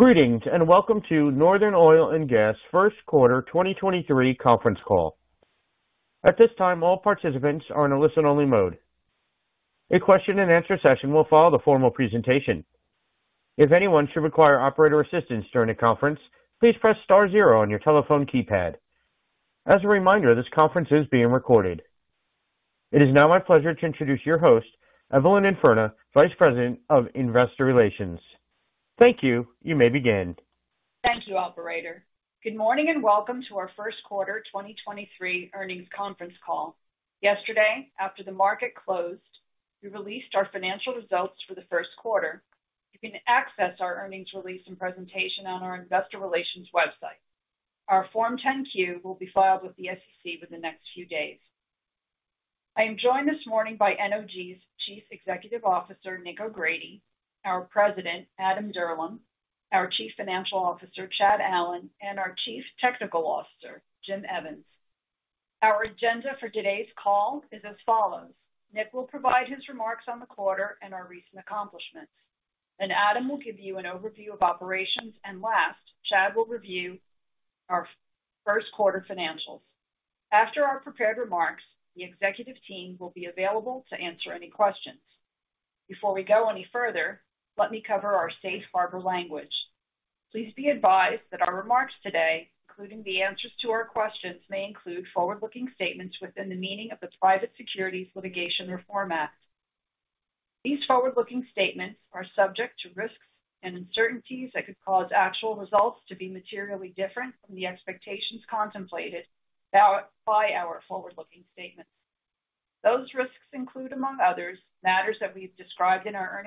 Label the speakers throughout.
Speaker 1: Greetings, and welcome to Northern Oil and Gas first quarter 2023 conference call. At this time, all participants are in a listen-only mode. A question and answer session will follow the formal presentation. If anyone should require operator assistance during the conference, please press star zero on your telephone keypad. As a reminder, this conference is being recorded. It is now my pleasure to introduce your host, Evelyn Infurna, Vice President of Investor Relations. Thank you. You may begin.
Speaker 2: Thank you, operator. Good morning. Welcome to our first quarter 2023 earnings conference call. Yesterday, after the market closed, we released our financial results for the first quarter. You can access our earnings release and presentation on our investor relations website. Our Form 10-Q will be filed with the SEC within the next few days. I am joined this morning by NOG's Chief Executive Officer, Nick O'Grady, our President, Adam Dirlam, our Chief Financial Officer, Chad Allen, and our Chief Technical Officer, Jim Evans. Our agenda for today's call is as follows. Nick will provide his remarks on the quarter and our recent accomplishments. Adam will give you an overview of operations. Last, Chad will review our first quarter financials. After our prepared remarks, the executive team will be available to answer any questions. Before we go any further, let me cover our safe harbor language. Please be advised that our remarks today, including the answers to our questions, may include forward-looking statements within the meaning of the Private Securities Litigation Reform Act. These forward-looking statements are subject to risks and uncertainties that could cause actual results to be materially different from the expectations contemplated by our forward-looking statements. Those risks include, among others, matters that we've described in our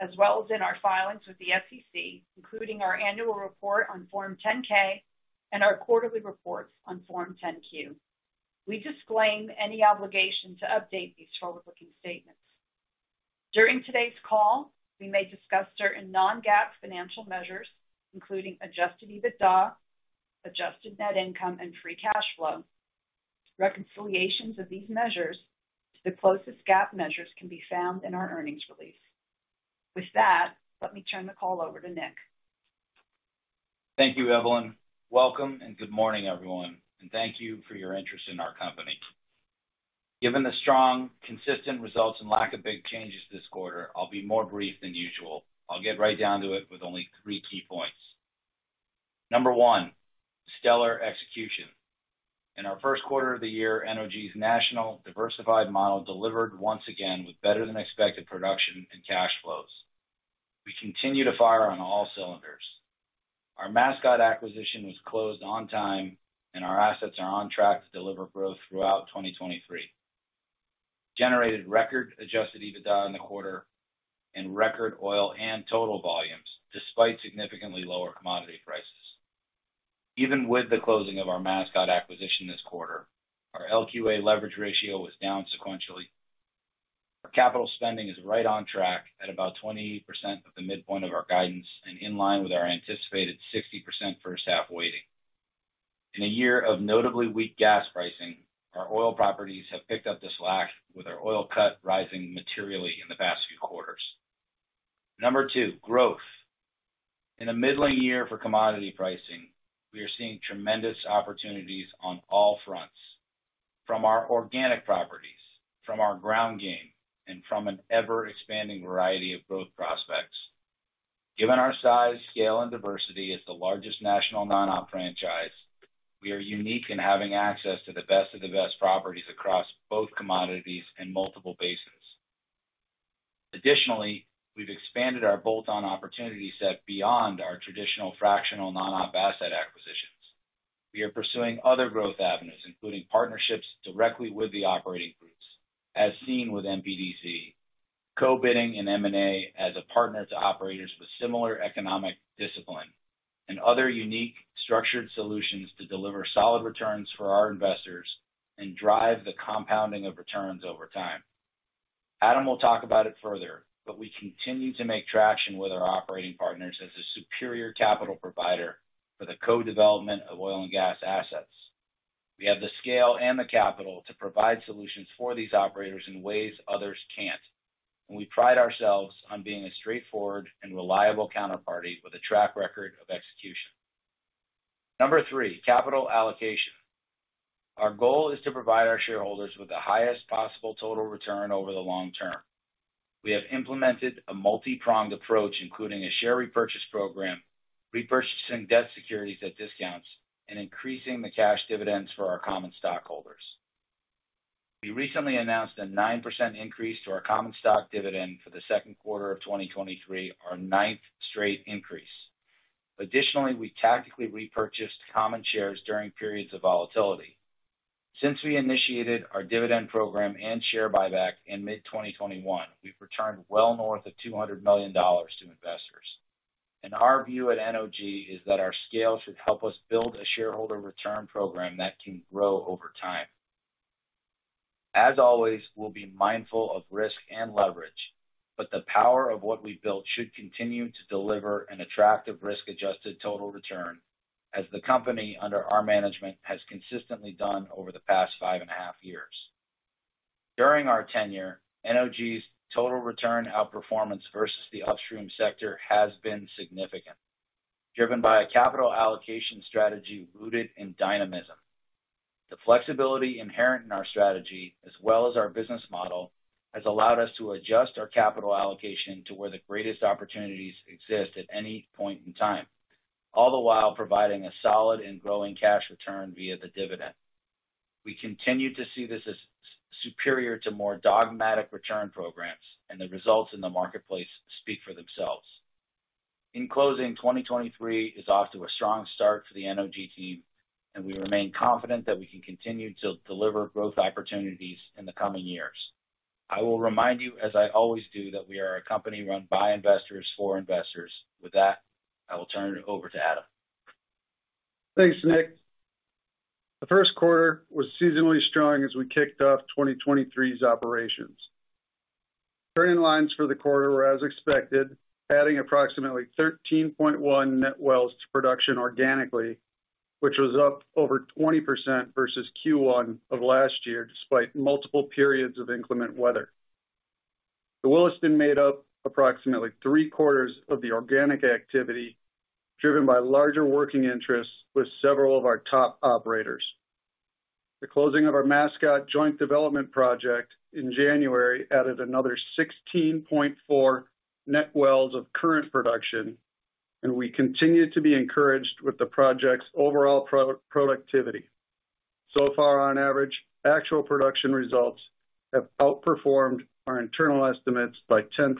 Speaker 2: earnings release as well as in our filings with the SEC, including our annual report on Form 10-K and our quarterly reports on Form 10-Q. We disclaim any obligation to update these forward-looking statements. During today's call, we may discuss certain non-GAAP financial measures, including adjusted EBITDA, adjusted net income, and free cash flow. Reconciliations of these measures to the closest GAAP measures can be found in our earnings release. With that, let me turn the call over to Nick.
Speaker 3: Thank you, Evelyn. Welcome and good morning, everyone, and thank you for your interest in our company. Given the strong, consistent results and lack of big changes this quarter, I'll be more brief than usual. I'll get right down to it with only three key points. Number one, stellar execution. In our 1st quarter of the year, NOG's national diversified model delivered once again with better than expected production and cash flows. We continue to fire on all cylinders. Our Mascot acquisition was closed on time, and our assets are on track to deliver growth throughout 2023. Generated record adjusted EBITDA in the quarter and record oil and total volumes despite significantly lower commodity prices. Even with the closing of our Mascot acquisition this quarter, our LQA leverage ratio was down sequentially. Our capital spending is right on track at about 20% of the midpoint of our guidance and in line with our anticipated 60% first half weighting. In a year of notably weak gas pricing, our oil properties have picked up the slack with our oil cut rising materially in the past few quarters. Number two, growth. In a middling year for commodity pricing, we are seeing tremendous opportunities on all fronts, from our organic properties, from our ground game, and from an ever-expanding variety of growth prospects. Given our size, scale, and diversity as the largest national non-op franchise, we are unique in having access to the best of the best properties across both commodities and multiple bases. Additionally, we've expanded our bolt-on opportunity set beyond our traditional fractional non-op asset acquisitions. We are pursuing other growth avenues, including partnerships directly with the operating groups as seen with MPDC, co-bidding in M&A as a partner to operators with similar economic discipline, and other unique structured solutions to deliver solid returns for our investors and drive the compounding of returns over time. Adam will talk about it further, but we continue to make traction with our operating partners as a superior capital provider for the co-development of oil and gas assets. We have the scale and the capital to provide solutions for these operators in ways others can't, and we pride ourselves on being a straightforward and reliable counterparty with a track record of execution. Number three, capital allocation. Our goal is to provide our shareholders with the highest possible total return over the long term. We have implemented a multi-pronged approach, including a share repurchase program, repurchasing debt securities at discounts, and increasing the cash dividends for our common stockholders. We recently announced a 9% increase to our common stock dividend for the second quarter of 2023, our ninth straight increase. Additionally, we tactically repurchased common shares during periods of volatility. Since we initiated our dividend program and share buyback in mid-2021, we've returned well north of $200 million to investors. Our view at NOG is that our scale should help us build a shareholder return program that can grow over time. As always, we'll be mindful of risk and leverage, but the power of what we've built should continue to deliver an attractive risk-adjusted total return, as the company under our management has consistently done over the past 5 and a half years. During our tenure, NOG's total return outperformance versus the upstream sector has been significant, driven by a capital allocation strategy rooted in dynamism. The flexibility inherent in our strategy, as well as our business model, has allowed us to adjust our capital allocation to where the greatest opportunities exist at any point in time, all the while providing a solid and growing cash return via the dividend. We continue to see this as superior to more dogmatic return programs. The results in the marketplace speak for themselves. In closing, 2023 is off to a strong start for the NOG team. We remain confident that we can continue to deliver growth opportunities in the coming years. I will remind you, as I always do, that we are a company run by investors for investors. With that, I will turn it over to Adam.
Speaker 4: Thanks, Nick. The first quarter was seasonally strong as we kicked off 2023's operations. Turn-in-lines for the quarter were as expected, adding approximately 13.1 net wells to production organically, which was up over 20% versus Q1 of last year, despite multiple periods of inclement weather. The Williston made up approximately three-quarters of the organic activity, driven by larger working interests with several of our top operators. The closing of our Mascot Joint Development Project in January added another 16.4 net wells of current production, and we continue to be encouraged with the project's overall pro-productivity. Far on average, actual production results have outperformed our internal estimates by 10%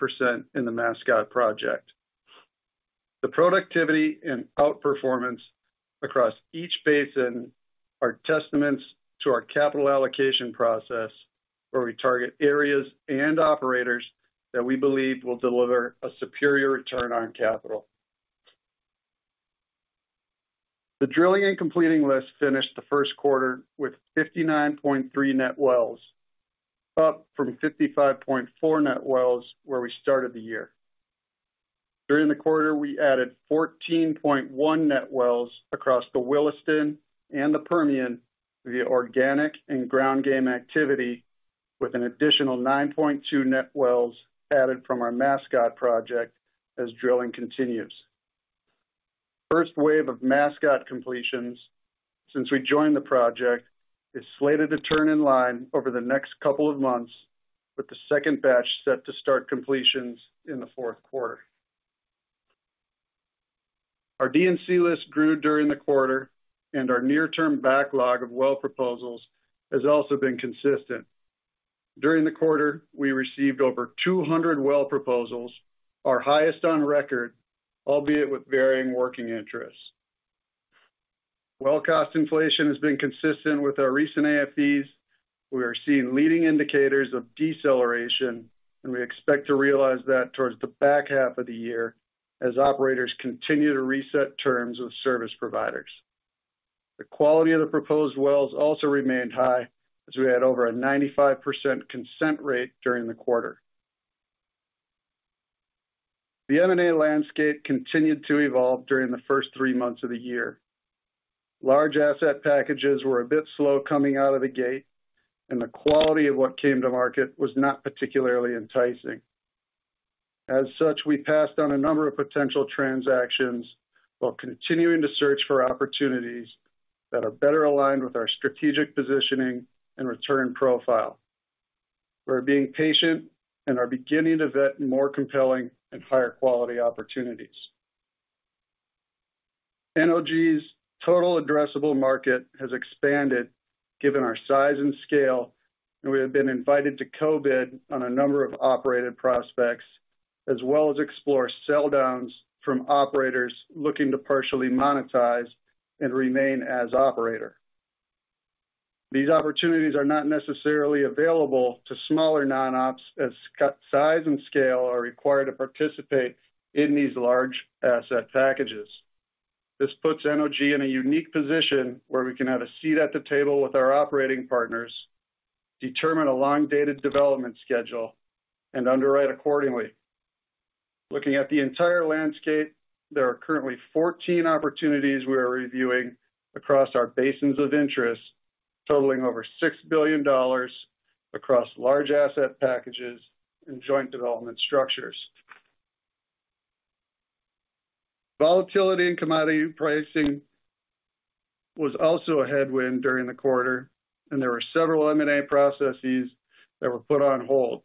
Speaker 4: in the Mascot project. The productivity and outperformance across each basin are testaments to our capital allocation process, where we target areas and operators that we believe will deliver a superior return on capital. The drilling and completing list finished the first quarter with 59.3 net wells, up from 55.4 net wells where we started the year. During the quarter, we added 14.1 net wells across the Williston and the Permian via organic and ground game activity, with an additional 9.2 net wells added from our Mascot Project as drilling continues. First wave of Mascot completions since we joined the project is slated to turn in line over the next couple of months, with the second batch set to start completions in the fourth quarter. Our D&C list grew during the quarter, and our near-term backlog of well proposals has also been consistent. During the quarter, we received over 200 well proposals, our highest on record, albeit with varying working interests. Well cost inflation has been consistent with our recent AFEs. We are seeing leading indicators of deceleration, and we expect to realize that towards the back half of the year as operators continue to reset terms with service providers. The quality of the proposed wells also remained high as we had over a 95% consent rate during the quarter. The M&A landscape continued to evolve during the first three months of the year. Large asset packages were a bit slow coming out of the gate, and the quality of what came to market was not particularly enticing. As such, we passed on a number of potential transactions while continuing to search for opportunities that are better aligned with our strategic positioning and return profile. We're being patient and are beginning to vet more compelling and higher quality opportunities. NOG's total addressable market has expanded given our size and scale. We have been invited to co-bid on a number of operated prospects, as well as explore sell downs from operators looking to partially monetize and remain as operator. These opportunities are not necessarily available to smaller non-ops as size and scale are required to participate in these large asset packages. This puts NOG in a unique position where we can have a seat at the table with our operating partners, determine a long-dated development schedule, and underwrite accordingly. Looking at the entire landscape, there are currently 14 opportunities we are reviewing across our basins of interest, totaling over $6 billion across large asset packages and joint development structures. Volatility in commodity pricing was also a headwind during the quarter. There were several M&A processes that were put on hold.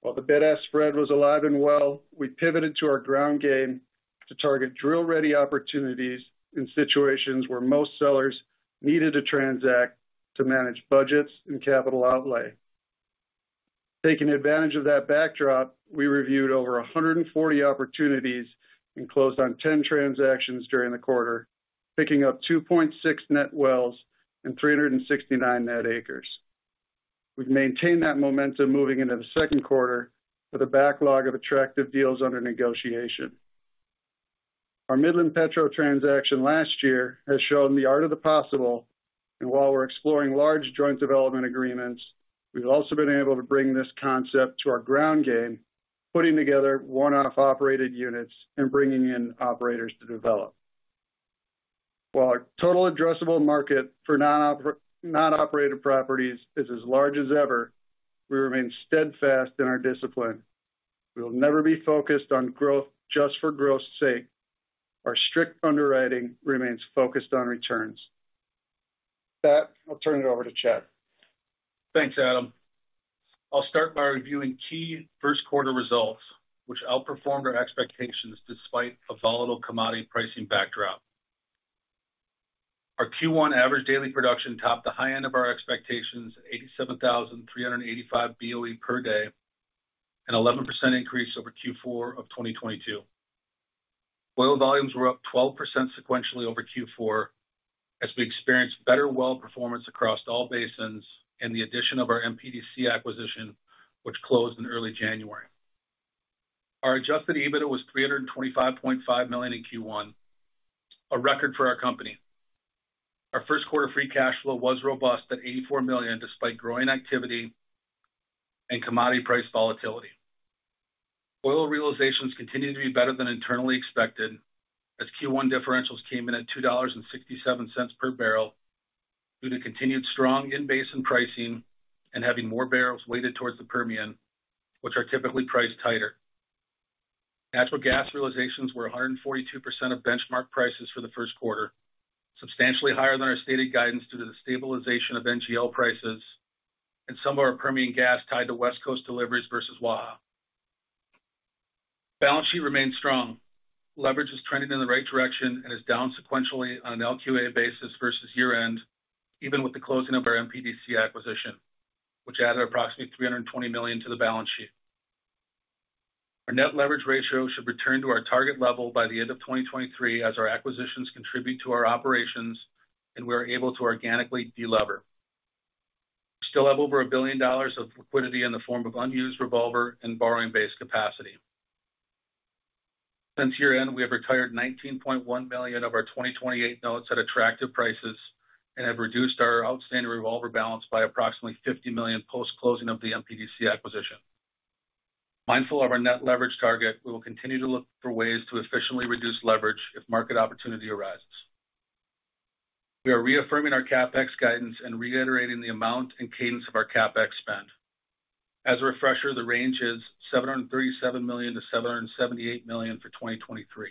Speaker 4: While the bid-ask spread was alive and well, we pivoted to our ground game to target drill-ready opportunities in situations where most sellers needed to transact to manage budgets and capital outlay. Taking advantage of that backdrop, we reviewed over 140 opportunities and closed on 10 transactions during the quarter, picking up 2.6 net wells and 369 net acres. We've maintained that momentum moving into the second quarter with a backlog of attractive deals under negotiation. Our Midland-Petro transaction last year has shown the art of the possible. While we're exploring large joint development agreements, we've also been able to bring this concept to our ground game, putting together one-off operated units and bringing in operators to develop. While our total addressable market for non-operated properties is as large as ever, we remain steadfast in our discipline. We will never be focused on growth just for growth's sake. Our strict underwriting remains focused on returns. With that, I'll turn it over to Chad.
Speaker 5: Thanks, Adam. I'll start by reviewing key first quarter results, which outperformed our expectations despite a volatile commodity pricing backdrop. Our Q1 average daily production topped the high end of our expectations, 87,385 BOE per day, an 11% increase over Q4 of 2022. Oil volumes were up 12% sequentially over Q4 as we experienced better well performance across all basins and the addition of our MPDC acquisition, which closed in early January. Our adjusted EBIT was $325.5 million in Q1, a record for our company. Our first quarter free cash flow was robust at $84 million, despite growing activity and commodity price volatility. Oil realizations continue to be better than internally expected as Q1 differentials came in at $2.67 per barrel due to continued strong in-basin pricing and having more barrels weighted towards the Permian, which are typically priced tighter. Natural gas realizations were 142% of benchmark prices for the first quarter, substantially higher than our stated guidance due to the stabilization of NGL prices, and some of our Permian gas tied to West Coast deliveries versus Waha. Balance sheet remains strong. Leverage is trending in the right direction and is down sequentially on an LQA basis versus year-end, even with the closing of our MPDC acquisition, which added approximately $320 million to the balance sheet. Our net leverage ratio should return to our target level by the end of 2023 as our acquisitions contribute to our operations and we are able to organically de-lever. We still have over $1 billion of liquidity in the form of unused revolver and borrowing-based capacity. Since year-end, we have retired $19.1 million of our 2028 notes at attractive prices and have reduced our outstanding revolver balance by approximately $50 million post-closing of the MPDC acquisition. Mindful of our net leverage target, we will continue to look for ways to efficiently reduce leverage if market opportunity arises. We are reaffirming our CapEx guidance and reiterating the amount and cadence of our CapEx spend. As a refresher, the range is $737 million-$778 million for 2023.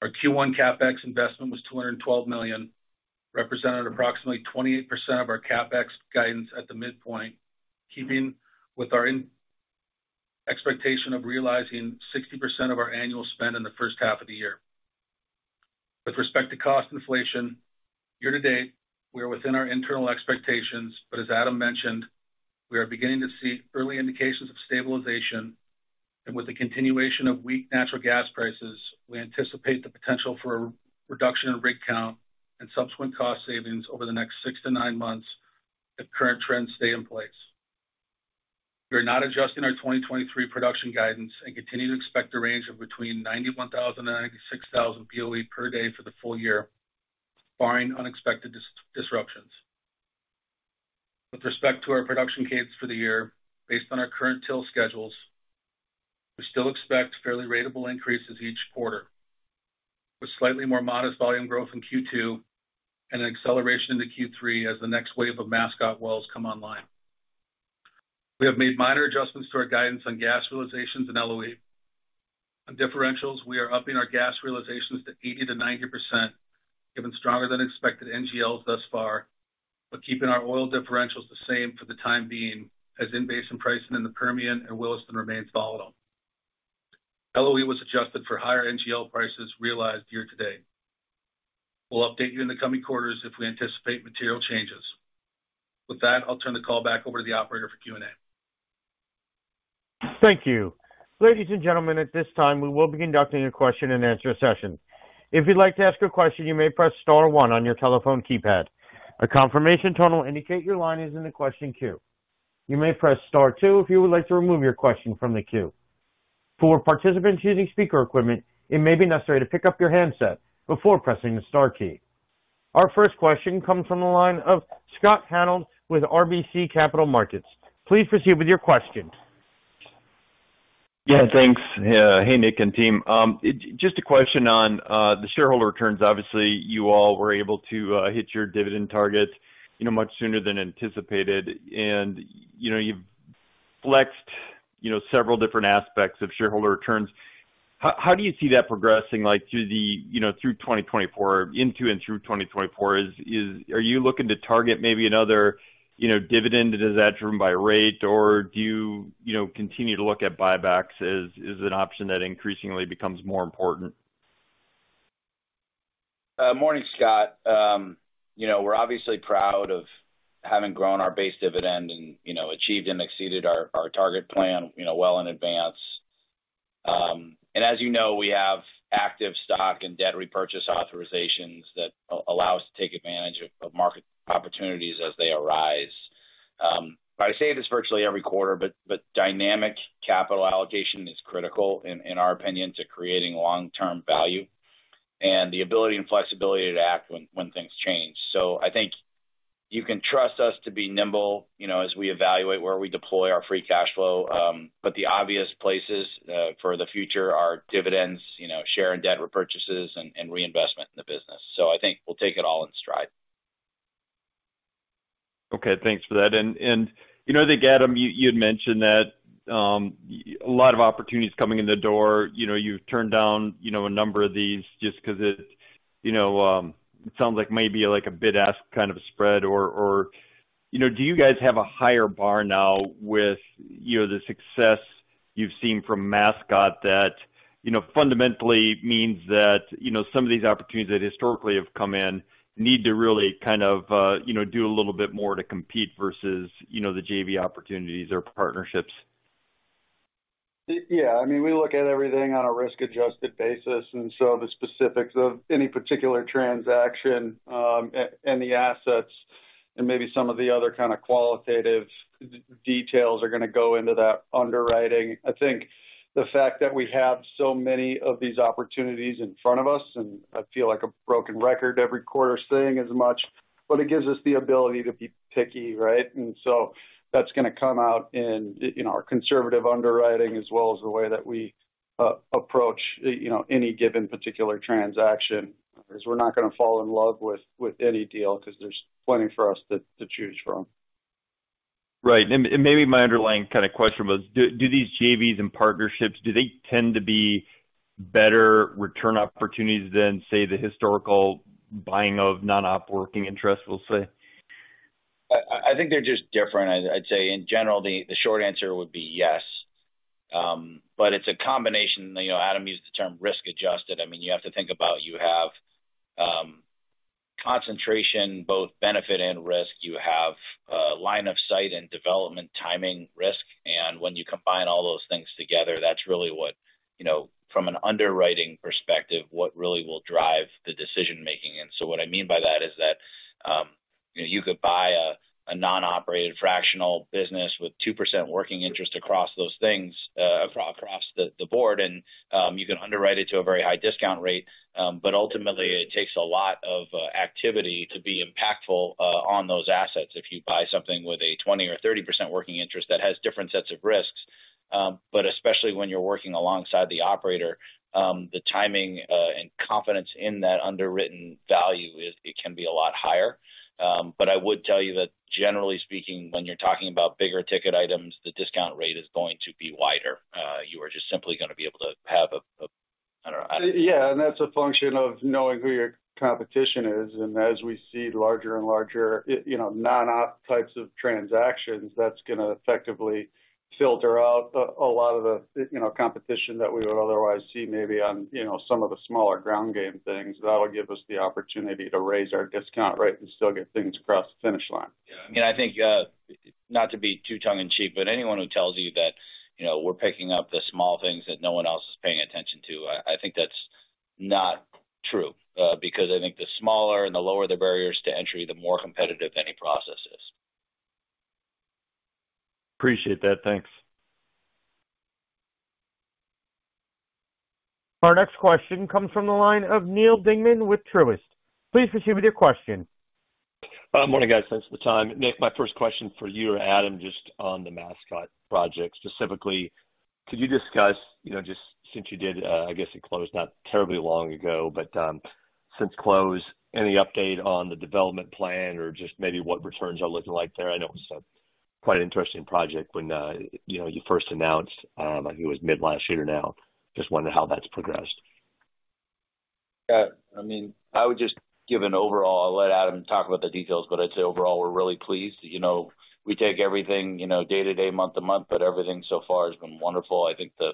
Speaker 5: Our Q1 CapEx investment was $212 million, represented approximately 28% of our CapEx guidance at the midpoint, keeping with our expectation of realizing 60% of our annual spend in the first half of the year. With respect to cost inflation, year-to-date, we are within our internal expectations. As Adam mentioned, we are beginning to see early indications of stabilization. With the continuation of weak natural gas prices, we anticipate the potential for a reduction in rig count and subsequent cost savings over the next six to nine months if current trends stay in place. We are not adjusting our 2023 production guidance and continue to expect a range of between 91,000 and 96,000 BOE per day for the full year, barring unexpected disruptions. With respect to our production cadence for the year, based on our current till schedules, we still expect fairly ratable increases each quarter, with slightly more modest volume growth in Q2 and an acceleration into Q3 as the next wave of Mascot wells come online. We have made minor adjustments to our guidance on gas realizations and LOE. On differentials, we are upping our gas realizations to 80%-90%, given stronger than expected NGLs thus far, but keeping our oil differentials the same for the time being as in-basin pricing in the Permian and Williston remains volatile. LOE was adjusted for higher NGL prices realized year-to-date. We'll update you in the coming quarters if we anticipate material changes. With that, I'll turn the call back over to the operator for Q&A.
Speaker 1: Thank you. Ladies and gentlemen, at this time, we will be conducting a question-and-answer session. If you'd like to ask a question, you may press star one on your telephone keypad. A confirmation tone will indicate your line is in the question queue. You may press star two if you would like to remove your question from the queue. For participants using speaker equipment, it may be necessary to pick up your handset before pressing the star key. Our first question comes from the line of Scott Hanold with RBC Capital Markets. Please proceed with your question.
Speaker 6: Yeah, thanks. Hey, Nick and team. Just a question on the shareholder returns. Obviously, you all were able to hit your dividend targets, you know, much sooner than anticipated. You know, you've flexed, you know, several different aspects of shareholder returns. How do you see that progressing, like, through the, you know, into and through 2024? Are you looking to target maybe another, you know, dividend? Is that driven by rate, or do you know, continue to look at buybacks as an option that increasingly becomes more important?
Speaker 3: Morning, Scott. You know, we're obviously proud of having grown our base dividend and, you know, achieved and exceeded our target plan, you know, well in advance. As you know, we have active stock and debt repurchase authorizations that allow us to take advantage of market opportunities as they arise. I say this virtually every quarter, but dynamic capital allocation is critical in our opinion, to creating long-term value and the ability and flexibility to act when things change. I think. You can trust us to be nimble, you know, as we evaluate where we deploy our free cash flow. The obvious places for the future are dividends, you know, share and debt repurchases and reinvestment in the business. I think we'll take it all in stride.
Speaker 6: Okay. Thanks for that. You know, I think, Adam, you had mentioned that, a lot of opportunities coming in the door. You know, you've turned down, you know, a number of these just 'cause it, you know, it sounds like maybe like a bid ask kind of a spread or? You know, do you guys have a higher bar now with, you know, the success you've seen from Mascot that, you know, fundamentally means that, you know, some of these opportunities that historically have come in need to really kind of, you know, do a little bit more to compete versus, you know, the JV opportunities or partnerships?
Speaker 4: I mean, we look at everything on a risk-adjusted basis, the specifics of any particular transaction, and the assets and maybe some of the other kind of qualitative details are gonna go into that underwriting. I think the fact that we have so many of these opportunities in front of us, I feel like a broken record every quarter saying as much, it gives us the ability to be picky, right? So that's gonna come out in, you know, our conservative underwriting as well as the way that we approach, you know, any given particular transaction, is we're not gonna fall in love with any deal 'cause there's plenty for us to choose from.
Speaker 6: Right. Maybe my underlying kind of question was do these JVs and partnerships, do they tend to be better return opportunities than, say, the historical buying of non-op working interest, we'll say?
Speaker 3: I think they're just different. I'd say in general, the short answer would be yes. It's a combination. You know, Adam used the term risk adjusted. I mean, you have to think about you have concentration, both benefit and risk. You have line of sight and development timing risk. When you combine all those things together, that's really what, you know, from an underwriting perspective, what really will drive the decision-making. What I mean by that is that, you know, you could buy a non-operated fractional business with 2% working interest across those things, across the board, and you can underwrite it to a very high discount rate. Ultimately, it takes a lot of activity to be impactful on those assets. If you buy something with a 20% or 30% working interest that has different sets of risks, but especially when you're working alongside the operator, the timing, and confidence in that underwritten value is it can be a lot higher. But I would tell you that generally speaking, when you're talking about bigger ticket items, the discount rate is going to be wider. you are just simply gonna be able to have a... I don't know.
Speaker 4: Yeah, that's a function of knowing who your competition is. As we see larger and larger, you know, non-op types of transactions, that's gonna effectively filter out a lot of the, you know, competition that we would otherwise see maybe on, you know, some of the smaller ground game things. That'll give us the opportunity to raise our discount rate and still get things across the finish line.
Speaker 3: I mean, I think, not to be too tongue in cheek, but anyone who tells you that, you know, we're picking up the small things that no one else is paying attention to, I think that's not true, because I think the smaller and the lower the barriers to entry, the more competitive any process is.
Speaker 6: Appreciate that. Thanks.
Speaker 1: Our next question comes from the line of Neal Dingmann with Truist. Please proceed with your question.
Speaker 7: Morning, guys. Thanks for the time. Nick, my first question is for you or Adam, just on the Mascot Project. Specifically, could you discuss, you know, just since you did, I guess it closed not terribly long ago, but, since close, any update on the development plan or just maybe what returns are looking like there? I know it was a quite interesting project when, you know, you first announced, I think it was mid last year now. Just wondering how that's progressed?
Speaker 3: Yeah. I mean, I would just give an overall. I'll let Adam talk about the details, but I'd say overall we're really pleased. You know, we take everything, you know, day to day, month to month, but everything so far has been wonderful. I think the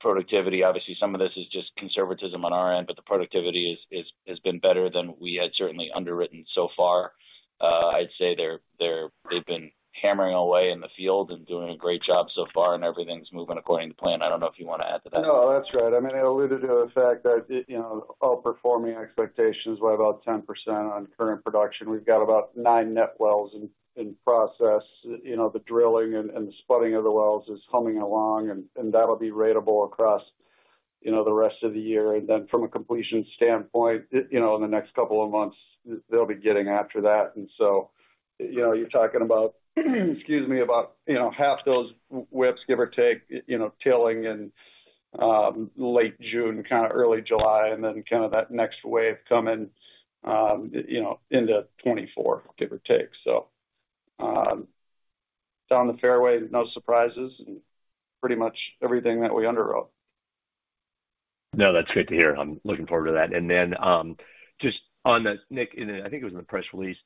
Speaker 3: productivity, obviously, some of this is just conservatism on our end, but the productivity is has been better than we had certainly underwritten so far. I'd say they've been hammering away in the field and doing a great job so far, and everything's moving according to plan. I don't know if you wanna add to that.
Speaker 4: No, that's right. I mean, I alluded to the fact that, you know, outperforming expectations, we're about 10% on current production. We've got about nine net wells in process. You know, the drilling and the spotting of the wells is humming along, and that'll be ratable across, you know, the rest of the year. From a completion standpoint, you know, in the next couple of months, they'll be getting after that. You're talking about, excuse me, about, you know, half those wells, give or take, you know, tilling in, late June, kind of early July, and then kind of that next wave coming, you know, into 2024, give or take. Down the fairway, no surprises and pretty much everything that we underwrote.
Speaker 7: No, that's good to hear. I'm looking forward to that. Just on the Nick, I think it was in the press release,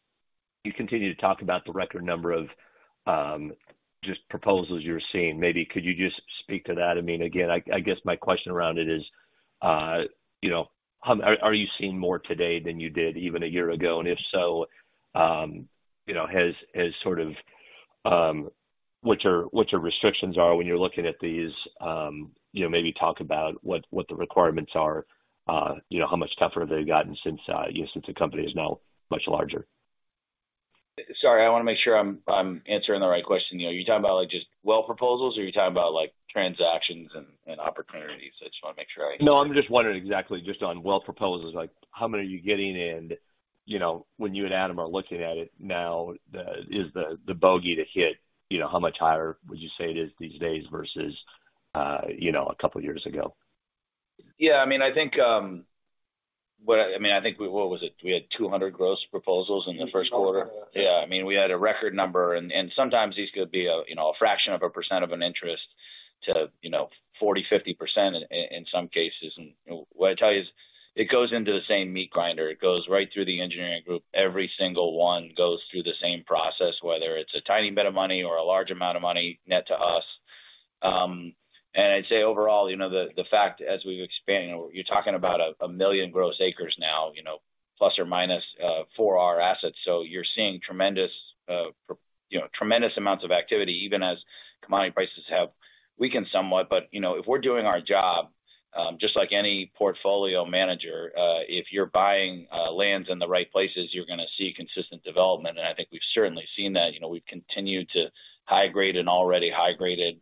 Speaker 7: you continued to talk about the record number of just proposals you're seeing. Maybe could you just speak to that? I mean, again, I guess my question around it is, you know, how are you seeing more today than you did even a year ago? If so, you know, has sort of what your restrictions are when you're looking at these? You know, maybe talk about what the requirements are. You know, how much tougher they've gotten since, you know, since the company is now much larger.
Speaker 3: Sorry, I wanna make sure I'm answering the right question. You know, are you talking about like just well proposals, or are you talking about like transactions and opportunities? I just wanna make sure.
Speaker 7: I'm just wondering exactly just on well proposals, like how many are you getting in? You know, when you and Adam are looking at it now, is the bogey to hit, you know, how much higher would you say it is these days versus, you know, a couple years ago?
Speaker 3: Yeah, I mean, I think we. What was it? We had 200 gross proposals in the first quarter. Yeah, We had a record number, sometimes these could be a fraction of a percent of an interest to 40%, 50% in some cases. What I tell you is it goes into the same meat grinder. It goes right through the engineering group. Every single one goes through the same process, whether it's a tiny bit of money or a large amount of money net to us. I'd say overall, the fact as we've expanded, you're talking about 1 million gross acres now, plus or minus, for our assets. You're seeing tremendous amounts of activity, even as commodity prices have weakened somewhat. You know, if we're doing our job, just like any portfolio manager, if you're buying lands in the right places, you're gonna see consistent development. I think we've certainly seen that. You know, we've continued to high grade an already high graded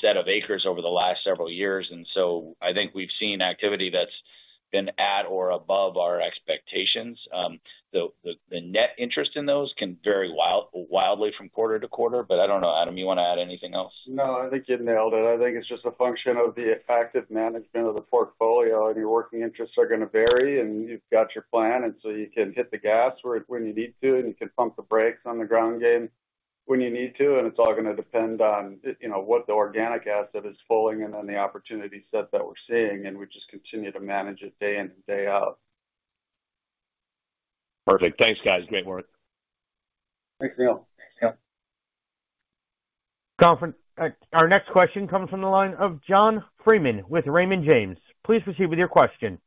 Speaker 3: set of acres over the last several years, so I think we've seen activity that's been at or above our expectations. The net interest in those can vary wildly from quarter to quarter. I don't know. Adam, you wanna add anything else?
Speaker 4: No, I think you nailed it. I think it's just a function of the effective management of the portfolio, and your working interests are gonna vary, and you've got your plan, and so you can hit the gas when you need to, and you can pump the brakes on the ground game when you need to, and it's all gonna depend on, you know, what the organic asset is falling and then the opportunity set that we're seeing, and we just continue to manage it day in and day out.
Speaker 7: Perfect. Thanks, guys. Great work.
Speaker 3: Thanks, Neal.
Speaker 7: Thanks, y'all.
Speaker 1: Conference, our next question comes from the line of John Freeman with Raymond James. Please proceed with your question.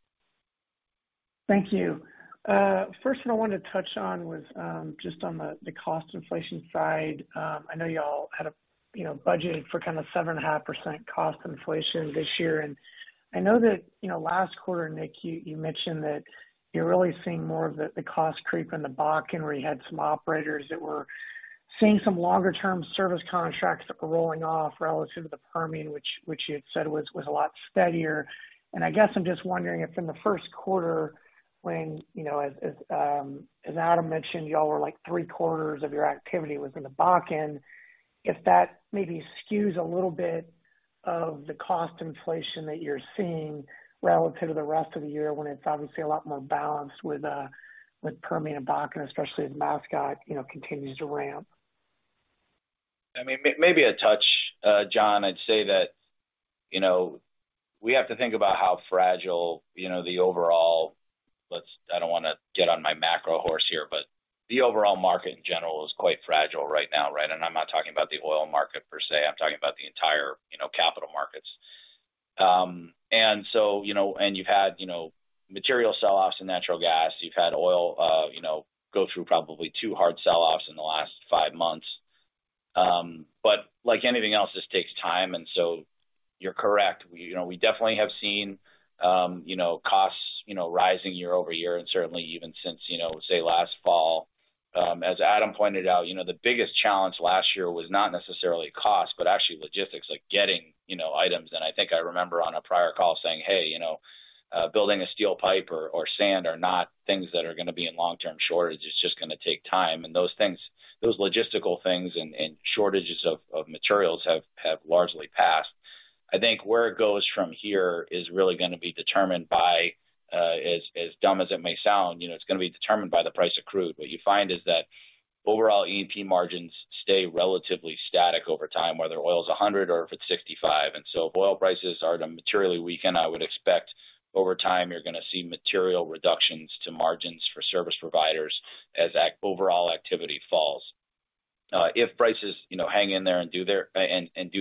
Speaker 8: Thank you. First thing I wanted to touch on was just on the cost inflation side. I know y'all had a, you know, budget for kinda 7.5% cost inflation this year. I know that, you know, last quarter, Nick, you mentioned that you're really seeing more of the cost creep in the Bakken, where you had some operators that were seeing some longer-term service contracts that were rolling off relative to the Permian, which you had said was a lot steadier. I guess I'm just wondering if in the first quarter when, you know, as Adam mentioned, y'all were like three-quarters of your activity was in the Bakken, if that maybe skews a little bit of the cost inflation that you're seeing relative to the rest of the year when it's obviously a lot more balanced with Permian and Bakken, especially as Mascot, you know, continues to ramp?
Speaker 3: I mean, maybe a touch, John, I'd say that, you know, we have to think about how fragile, you know, the overall market in general is quite fragile right now, right? I'm not talking about the oil market per se, I'm talking about the entire, you know, capital markets. You've had, you know, material sell-offs in natural gas. You've had oil, you know, go through probably two hard sell-offs in the last five months. Like anything else, this takes time, you're correct. We, you know, we definitely have seen, you know, costs, you know, rising year-over-year and certainly even since, you know, say last fall. As Adam pointed out, you know, the biggest challenge last year was not necessarily cost, but actually logistics, like getting, you know, items. I think I remember on a prior call saying, "Hey, you know, building a steel pipe or sand are not things that are gonna be in long-term shortage. It's just gonna take time." Those things, those logistical things and shortages of materials have largely passed. I think where it goes from here is really gonna be determined by, as dumb as it may sound, you know, it's gonna be determined by the price of crude. What you find is that overall E&P margins stay relatively static over time, whether oil is $100 or if it's $65. If oil prices are to materially weaken, I would expect over time you're gonna see material reductions to margins for service providers as overall activity falls. If prices, you know, hang in there and do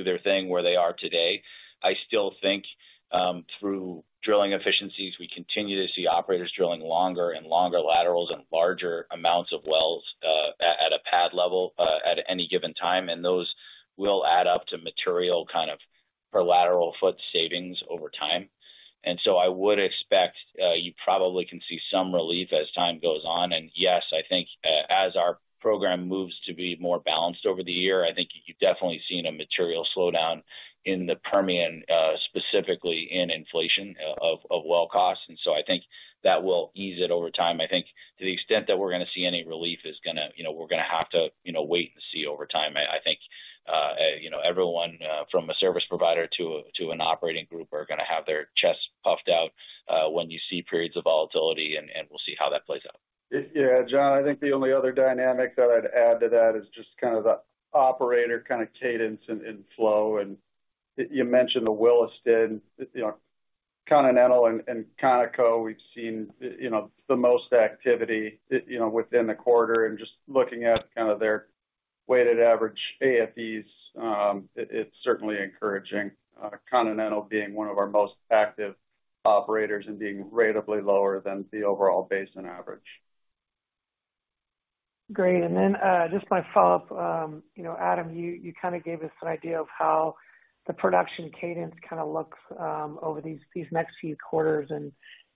Speaker 3: their thing where they are today, I still think through drilling efficiencies, we continue to see operators drilling longer and longer laterals and larger amounts of wells at a pad level, at any given time, and those will add up to material kind of per lateral foot savings over time. I would expect you probably can see some relief as time goes on. Yes, I think as our program moves to be more balanced over the year, I think you've definitely seen a material slowdown in the Permian specifically in inflation of well costs. I think that will ease it over time. I think to the extent that we're gonna see any relief is gonna, you know, we're gonna have to, you know, wait and see over time. I think, you know, everyone, from a service provider to an operating group are gonna have their chest puffed out, when you see periods of volatility, and we'll see how that plays out.
Speaker 4: Yeah, John, I think the only other dynamic that I'd add to that is just kind of the operator kinda cadence and flow. You mentioned the Williston, you know, Continental and Conoco, we've seen, you know, the most activity, you know, within the quarter and just looking at kind of their weighted average AFEs, it's certainly encouraging, Continental being one of our most active operators and being ratably lower than the overall basin average.
Speaker 8: Great. Just my follow-up. You know, Adam Dirlam, you kinda gave us an idea of how the production cadence kinda looks over these next few quarters.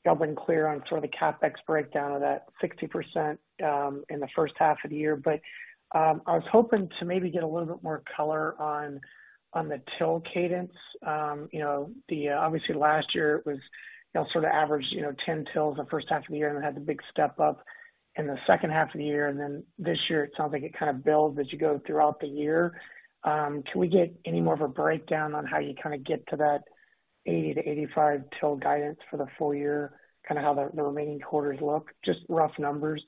Speaker 8: Y'all been clear on sort of the CapEx breakdown of that 60% in the first half of the year. I was hoping to maybe get a little bit more color on the till cadence. You know, obviously last year it was, you know, sort of average, you know, 10 tills the first half of the year, had the big step up in the second half of the year. This year it sounds like it kind of builds as you go throughout the year. Can we get any more of a breakdown on how you kinda get to that 80-85 till guidance for the full year, kinda how the remaining quarters look? Just rough numbers.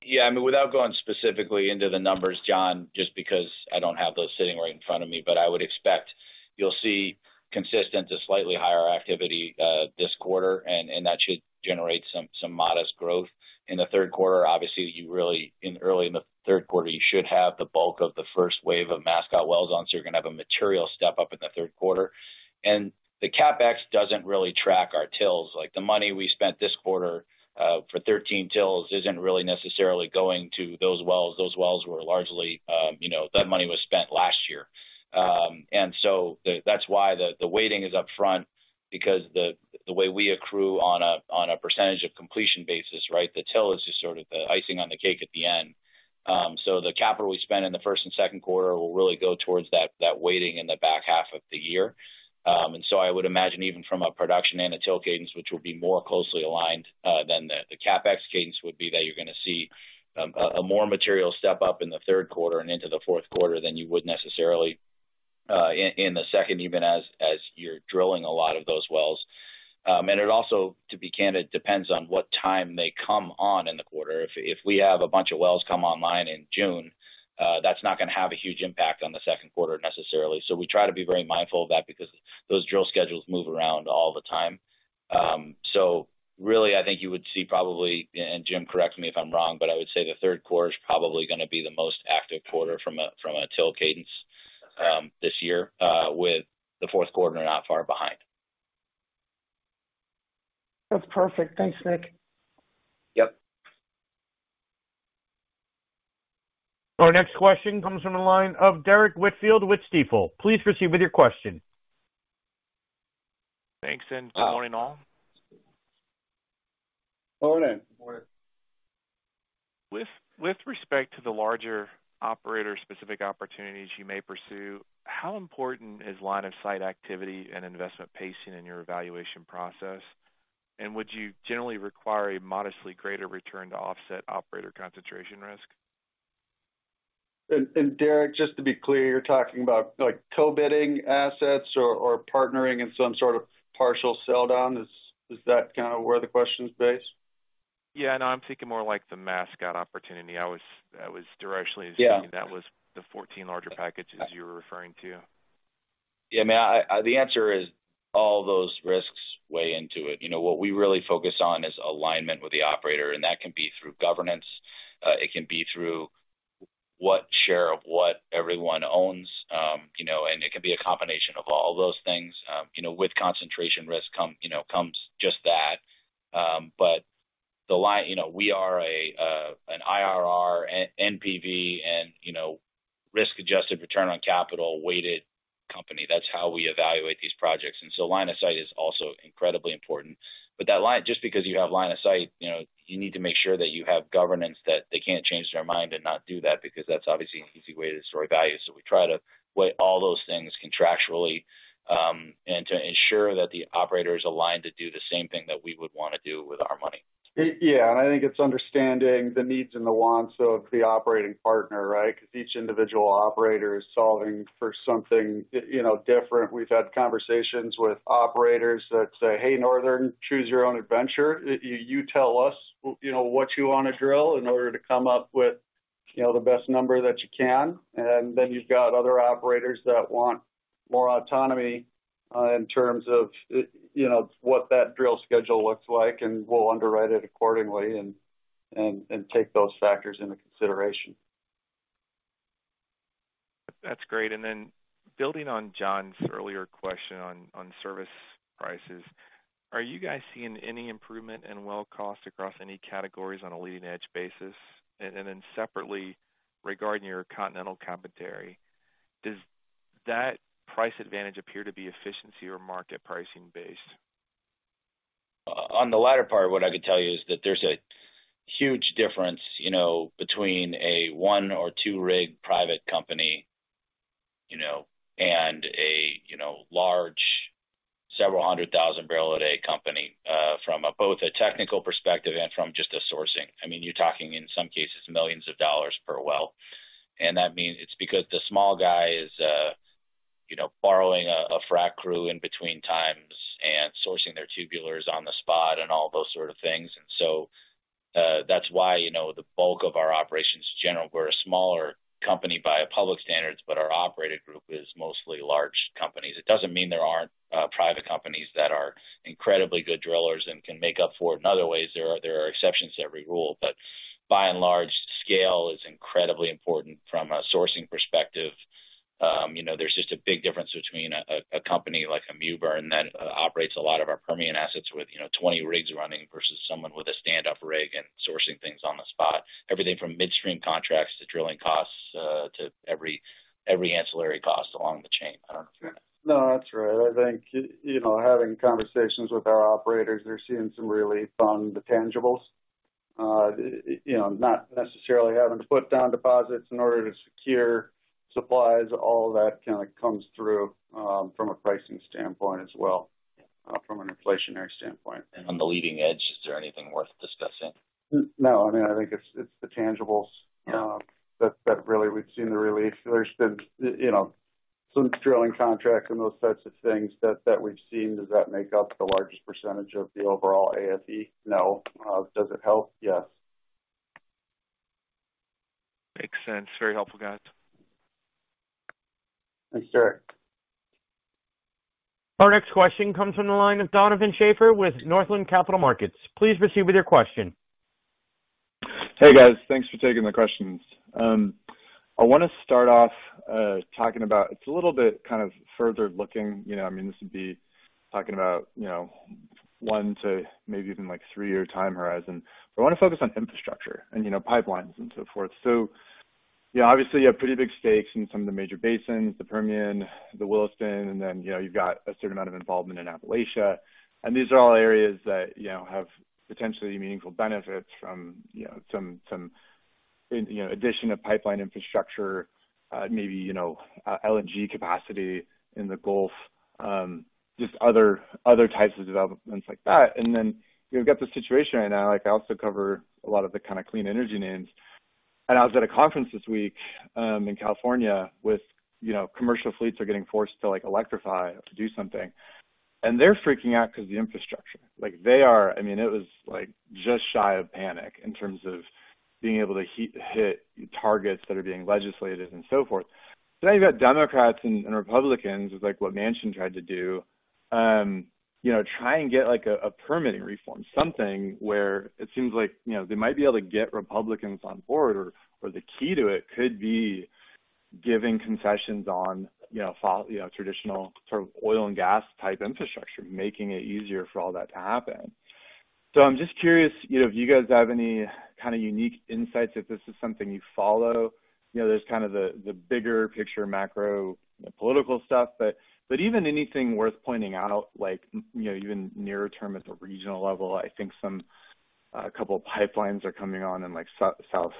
Speaker 3: Yeah. I mean, without going specifically into the numbers, John, just because I don't have those sitting right in front of me, but I would expect you'll see consistent to slightly higher activity, this quarter, and that should generate some modest growth. In the third quarter, obviously, early in the third quarter, you should have the bulk of the first wave of Mascot wells on, so you're gonna have a material step up in the third quarter. The CapEx doesn't really track our tills. Like, the money we spent this quarter, for 13 tills isn't really necessarily going to those wells. Those wells were largely, you know... That money was spent last year. The, that's why the weighting is up front because the way we accrue on a, on a percentage of completion basis, right? The till is just sort of the icing on the cake at the end. The capital we spend in the first and second quarter will really go towards that weighting in the back half of the year. I would imagine even from a production and a till cadence, which will be more closely aligned, than the CapEx cadence would be that you're gonna see a more material step up in the third quarter and into the fourth quarter than you would necessarily, in the second, even as you're drilling a lot of those wells. It also, to be candid, depends on what time they come on in the quarter. If we have a bunch of wells come online in June, that's not gonna have a huge impact on the second quarter necessarily. We try to be very mindful of that because those drill schedules move around all the time. Really I think you would see probably, and Jim correct me if I'm wrong, but I would say the third quarter is probably gonna be the most active quarter from a till cadence this year with the fourth quarter not far behind.
Speaker 8: That's perfect. Thanks, Nick.
Speaker 3: Yep.
Speaker 1: Our next question comes from the line of Derrick Whitfield with Stifel. Please proceed with your question.
Speaker 9: Thanks, good morning, all.
Speaker 3: Morning.
Speaker 4: Morning.
Speaker 9: With respect to the larger operator-specific opportunities you may pursue, how important is line of sight activity and investment pacing in your evaluation process? Would you generally require a modestly greater return to offset operator concentration risk?
Speaker 4: Derrick, just to be clear, you're talking about, like, co-bidding assets or partnering in some sort of partial sell down. Is that kinda where the question's based?
Speaker 9: Yeah, no, I'm thinking more like the Mascot opportunity. I was directionally assuming
Speaker 3: Yeah.
Speaker 9: that was the 14 larger packages you were referring to.
Speaker 3: Yeah. I mean, I, the answer is all those risks weigh into it. You know, what we really focus on is alignment with the operator. That can be through governance. It can be through what share of what everyone owns, you know, it can be a combination of all those things. You know, with concentration risk comes just that. The line, you know, we are an IRR, NPV and, you know, risk-adjusted return on capital weighted company. That's how we evaluate these projects. Line of sight is also incredibly important. That line. Just because you have line of sight, you know, you need to make sure that you have governance that they can't change their mind and not do that because that's obviously an easy way to destroy value. we try to weigh all those things contractually, and to ensure that the operator is aligned to do the same thing that we would wanna do with our money.
Speaker 4: I think it's understanding the needs and the wants of the operating partner, right? Because each individual operator is solving for something, you know, different. We've had conversations with operators that say, "Hey, Northern, choose your own adventure. You tell us, you know, what you wanna drill in order to come up with, you know, the best number that you can." Then you've got other operators that want more autonomy in terms of, you know, what that drill schedule looks like, and we'll underwrite it accordingly and take those factors into consideration.
Speaker 9: That's great. Building on John's earlier question on service prices, are you guys seeing any improvement in well costs across any categories on a leading edge basis? Separately, regarding your Continental commentary, does that price advantage appear to be efficiency or market pricing based?
Speaker 3: On the latter part, what I could tell you is that there's a huge difference, you know, between a one or two rig private company, you know, and a, you know, large several hundred thousand barrel a day company from both a technical perspective and from just a sourcing. I mean, you're talking in some cases millions of dollars per well. That means it's because the small guy is, you know, borrowing a frac crew in between times and sourcing their tubulars on the spot and all those sort of things. That's why, you know, the bulk of our operations general, we're a smaller company by public standards, but our operator group is mostly large companies. It doesn't mean there aren't private companies that are incredibly good drillers and can make up for it in other ways. There are exceptions to every rule. By and large, scale is incredibly important from a sourcing perspective. you know, there's just a big difference between a company like a Mewbourne that operates a lot of our Permian assets with, you know, 20 rigs running versus someone with a standup rig and sourcing things on the spot. Everything from midstream contracts to drilling costs, to every ancillary cost along the chain. I don't know.
Speaker 4: That's right. I think, you know, having conversations with our operators, they're seeing some relief on the tangibles. You know, not necessarily having to put down deposits in order to secure supplies, all of that kind of comes through, from a pricing standpoint as well, from an inflationary standpoint.
Speaker 3: On the leading edge, is there anything worth discussing?
Speaker 4: No. I mean, I think it's the tangibles...
Speaker 3: Yeah
Speaker 4: that really we've seen the relief. There's been, you know, some drilling contracts and those types of things that we've seen. Does that make up the largest percentage of the overall AFE? No. Does it help? Yes.
Speaker 9: Makes sense. Very helpful, guys.
Speaker 4: Thanks, sir.
Speaker 1: Our next question comes from the line of Donovan Schafer with Northland Capital Markets. Please proceed with your question.
Speaker 10: Hey, guys. Thanks for taking the questions. I wanna start off talking about... it's a little bit kind of further looking, you know. I mean, this would be talking about, you know, one to maybe even, like, three-year time horizon. I wanna focus on infrastructure and, you know, pipelines and so forth. You know, obviously you have pretty big stakes in some of the major basins, the Permian, the Williston, and then, you know, you've got a certain amount of involvement in Appalachia. These are all areas that, you know, have potentially meaningful benefits from, you know, some in, you know, addition of pipeline infrastructure, maybe, you know, LNG capacity in the Gulf, just other types of developments like that. Then you've got the situation right now, like I also cover a lot of the kind of clean energy names. I was at a conference this week, in California, with, you know, commercial fleets are getting forced to, like, electrify to do something. They're freaking out 'cause of the infrastructure. Like, they are... I mean, it was, like, just shy of panic in terms of being able to hit targets that are being legislated and so forth. Now you've got Democrats and Republicans with, like, what Manchin tried to do, you know, try and get, like, a permitting reform, something where it seems like, you know, they might be able to get Republicans on board or the key to it could be giving concessions on, you know, traditional sort of oil and gas type infrastructure, making it easier for all that to happen. I'm just curious, you know, if you guys have any kind of unique insights, if this is something you follow. You know, there's kind of the bigger picture macro political stuff, but even anything worth pointing out, like, you know, even near term at the regional level. I think a couple pipelines are coming on in like South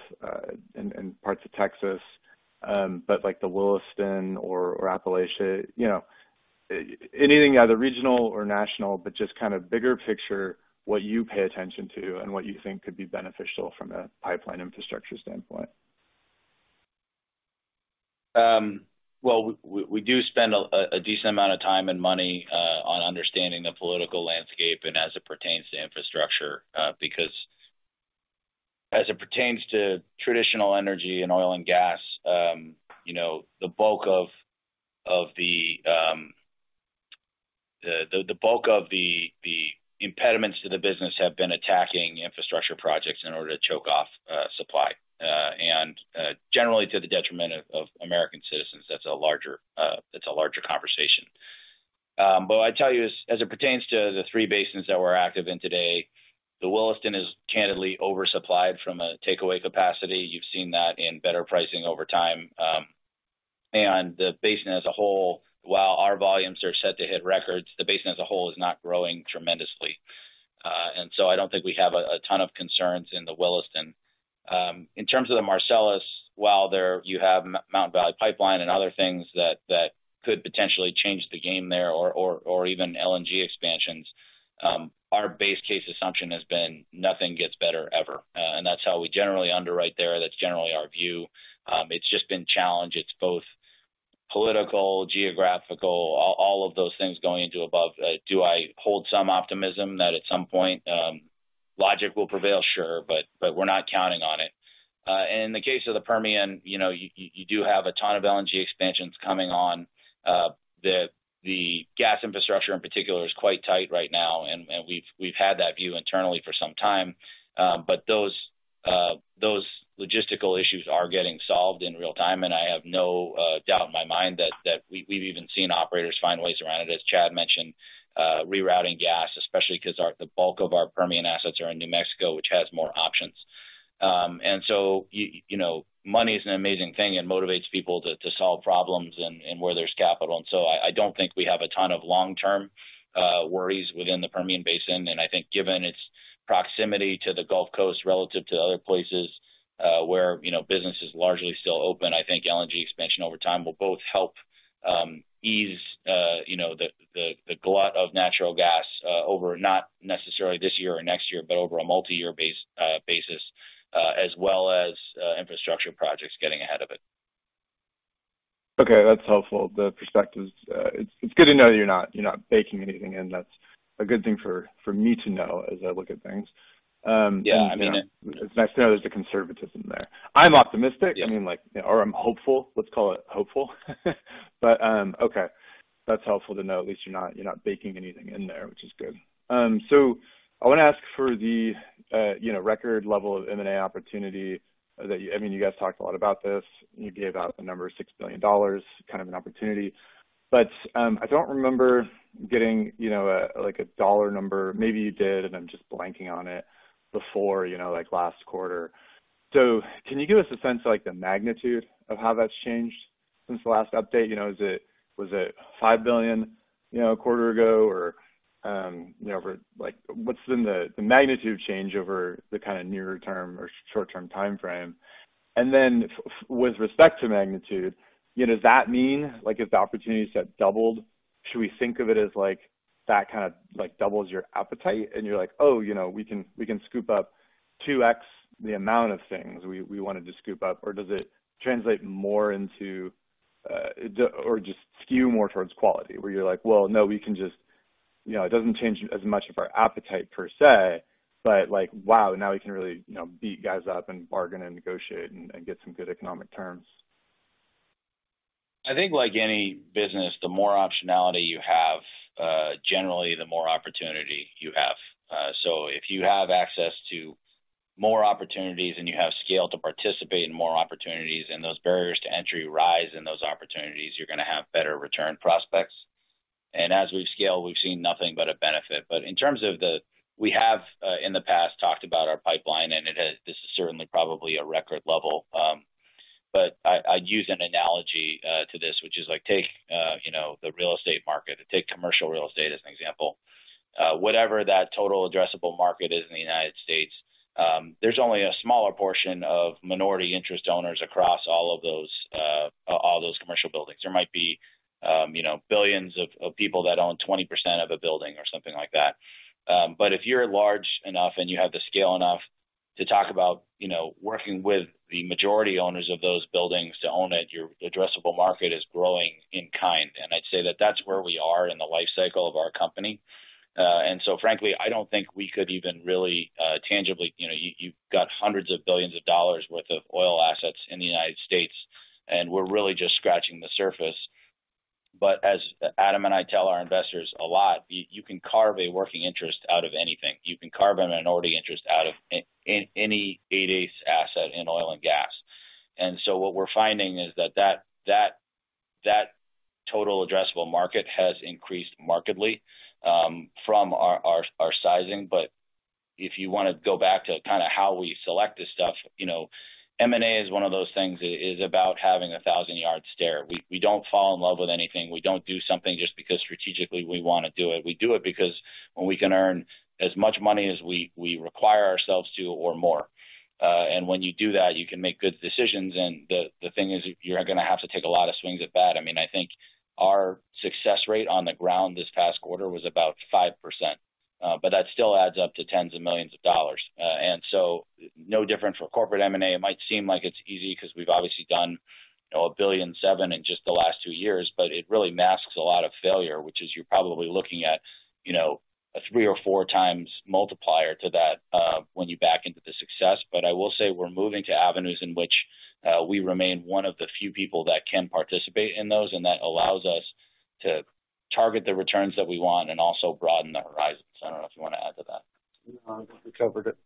Speaker 10: in parts of Texas. Like the Williston or Appalachia, you know, anything either regional or national, just kind of bigger picture, what you pay attention to and what you think could be beneficial from a pipeline infrastructure standpoint?
Speaker 3: Well, we do spend a decent amount of time and money on understanding the political landscape and as it pertains to infrastructure, because as it pertains to traditional energy and oil and gas, you know, the bulk of the impediments to the business have been attacking infrastructure projects in order to choke off supply. Generally to the detriment of American citizens. That's a larger conversation. I tell you, as it pertains to the three basins that we're active in today, the Williston is candidly oversupplied from a takeaway capacity. You've seen that in better pricing over time. The basin as a whole, while our volumes are set to hit records, the basin as a whole is not growing tremendously. I don't think we have a ton of concerns in the Williston. In terms of the Marcellus, while there you have Mountain Valley Pipeline and other things that could potentially change the game there or even LNG expansions, our base case assumption has been nothing gets better ever. That's how we generally underwrite there. That's generally our view. It's just been challenged. It's both political, geographical, all of those things going into above. Do I hold some optimism that at some point logic will prevail? Sure. But we're not counting on it. In the case of the Permian, you know, you do have a ton of LNG expansions coming on. The gas infrastructure in particular is quite tight right now, and we've had that view internally for some time. Those logistical issues are getting solved in real time, and I have no doubt in my mind that we've even seen operators find ways around it, as Chad mentioned, rerouting gas, especially 'cause the bulk of our Permian assets are in New Mexico, which has more options. You know, money is an amazing thing. It motivates people to solve problems and where there's capital. I don't think we have a ton of long-term worries within the Permian Basin. I think given its proximity to the Gulf Coast relative to other places, where, you know, business is largely still open, I think LNG expansion over time will both help ease, you know, the glut of natural gas, over not necessarily this year or next year, but over a multi-year basis, as well as infrastructure projects getting ahead of it.
Speaker 10: Okay. That's helpful, the perspectives. It's good to know you're not baking anything in. That's a good thing for me to know as I look at things.
Speaker 3: Yeah, I mean.
Speaker 10: It's nice to know there's a conservatism there. I'm optimistic.
Speaker 3: Yeah.
Speaker 10: I mean, like, or I'm hopeful. Let's call it hopeful. Okay. That's helpful to know at least you're not, you're not baking anything in there, which is good. I wanna ask for the, you know, record level of M&A opportunity that... I mean, you guys talked a lot about this. You gave out the number, $6 billion, kind of an opportunity. I don't remember getting, you know, like a dollar number. Maybe you did, and I'm just blanking on it, before, you know, like last quarter. Can you give us a sense of, like, the magnitude of how that's changed? Since the last update, you know, was it $5 billion, you know, a quarter ago or, you know, for like what's been the magnitude change over the kind of nearer term or short-term timeframe? Then with respect to magnitude, you know, does that mean like if the opportunity set doubled, should we think of it as like that kind of like doubles your appetite and you're like, "Oh, you know, we can scoop up 2x the amount of things we wanted to scoop up." Or does it translate more into or just skew more towards quality where you're like, "Well, no, we can just, you know, it doesn't change as much of our appetite per se, but like, wow, now we can really, you know, beat guys up and bargain and negotiate and get some good economic terms"?
Speaker 3: I think like any business, the more optionality you have, generally the more opportunity you have. If you have access to more opportunities and you have scale to participate in more opportunities, and those barriers to entry rise in those opportunities, you're gonna have better return prospects. As we've scaled, we've seen nothing but a benefit. In terms of the... We have, in the past, talked about our pipeline, and this is certainly probably a record level. I'd use an analogy to this, which is like take, you know, the real estate market or take commercial real estate as an example. Whatever that total addressable market is in the United States, there's only a smaller portion of minority interest owners across all of those, all those commercial buildings. There might be, you know, billions of people that own 20% of a building or something like that. But if you're large enough and you have the scale enough to talk about, you know, working with the majority owners of those buildings to own it, your addressable market is growing in kind. I'd say that that's where we are in the life cycle of our company. Frankly, I don't think we could even really tangibly. You know, you've got hundreds of billions of dollars worth of oil assets in the United States, and we're really just scratching the surface. As Adam and I tell our investors a lot, you can carve a working interest out of anything. You can carve a minority interest out of any eight-eighths asset in oil and gas. What we're finding is that total addressable market has increased markedly from our sizing. If you wanna go back to kind of how we select this stuff, you know, M&A is one of those things that is about having a thousand-yard stare. We don't fall in love with anything. We don't do something just because strategically we wanna do it. We do it because when we can earn as much money as we require ourselves to or more. When you do that, you can make good decisions, the thing is, you're gonna have to take a lot of swings at bat. I mean, I think our success rate on the ground this past quarter was about 5%, that still adds up to tens of millions of dollars. No different from corporate M&A. It might seem like it's easy 'cause we've obviously done, you know, $1.7 billion in just the last two years, but it really masks a lot of failure, which is you're probably looking at, you know, a three or four times multiplier to that when you back into the success. I will say we're moving to avenues in which we remain one of the few people that can participate in those, and that allows us to target the returns that we want and also broaden the horizons. I don't know if you wanna add to that.
Speaker 5: No, I think you covered it.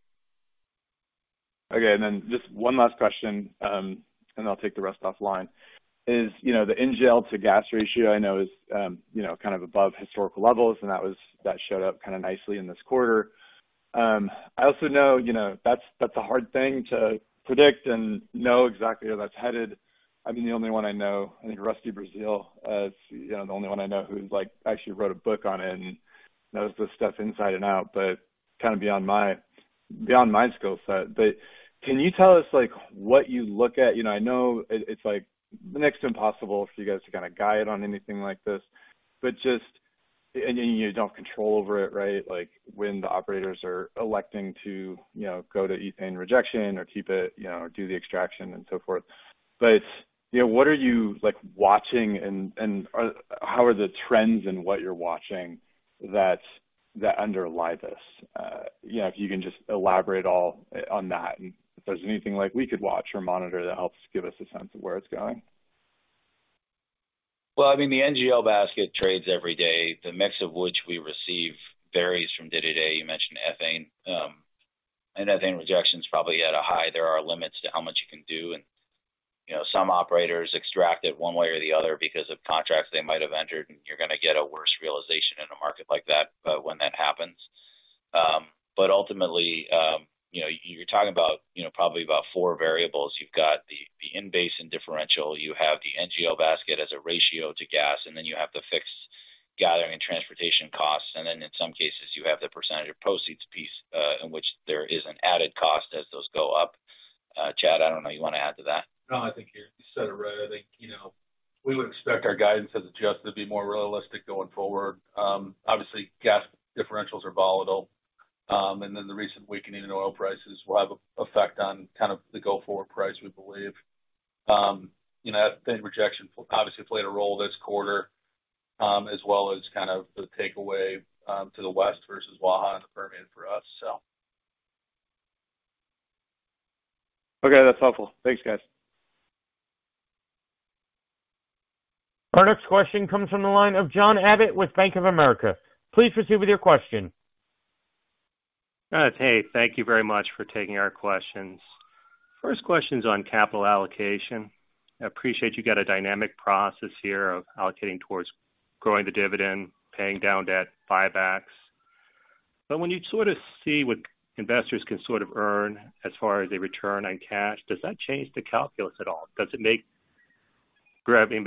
Speaker 10: Okay. Just one last question, and I'll take the rest offline. Is, you know, the NGL to gas ratio I know is, you know, kind of above historical levels, and that showed up kinda nicely in this quarter. I also know, you know, that's a hard thing to predict and know exactly where that's headed. I mean, the only one I know, I think Rusty Braziel is, you know, the only one I know who's like, actually wrote a book on it and knows this stuff inside and out, but kind of beyond my, beyond my skill set. Can you tell us, like, what you look at? You know, I know it's like next to impossible for you guys to kind of guide on anything like this, but just. You don't have control over it, right? Like, when the operators are electing to, you know, go to ethane rejection or keep it, you know, or do the extraction and so forth. You know, what are you, like, watching and how are the trends in what you're watching that underlie this? You know, if you can just elaborate all on that, and if there's anything like we could watch or monitor that helps give us a sense of where it's going.
Speaker 3: Well, I mean, the NGL basket trades every day. The mix of which we receive varies from day to day. You mentioned ethane. Ethane rejection is probably at a high. There are limits to how much you can do and, you know, some operators extract it one way or the other because of contracts they might have entered, and you're gonna get a worse realization in a market like that when that happens. Ultimately, you know, you're talking about, you know, probably about four variables. You've got the in-basin differential. You have the NGL basket as a ratio to gas, and then you have the fixed gathering and transportation costs. In some cases, you have the percentage of proceeds piece in which there is an added cost as those go up. Chad, I don't know, you wanna add to that?
Speaker 5: No, I think you said it right. I think, you know, we would expect our guidance as adjusted to be more realistic going forward. Obviously gas differentials are volatile. The recent weakening in oil prices will have an effect on kind of the go-forward price, we believe. You know, ethane rejection obviously played a role this quarter, as well as kind of the takeaway to the west versus Waha and the Permian for us, so.
Speaker 10: Okay. That's helpful. Thanks, guys.
Speaker 1: Our next question comes from the line of John Abbott with Bank of America. Please proceed with your question.
Speaker 11: Hey, thank you very much for taking our questions. First question's on capital allocation. I appreciate you got a dynamic process here of allocating towards growing the dividend, paying down debt, buybacks. When you sort of see what investors can sort of earn as far as a return on cash, does that change the calculus at all? Does it make grabbing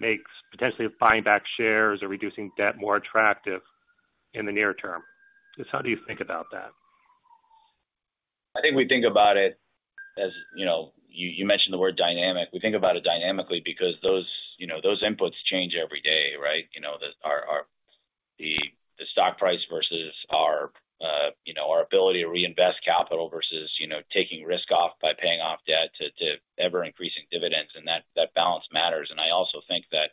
Speaker 11: makes potentially buying back shares or reducing debt more attractive in the near term? Just how do you think about that?
Speaker 3: I think we think about it as, you know, you mentioned the word dynamic. We think about it dynamically because those, you know, those inputs change every day, right? You know, our the stock price versus our, you know, our ability to reinvest capital versus, you know, taking risk off by paying off debt to ever-increasing dividends, and that balance matters. I also think that,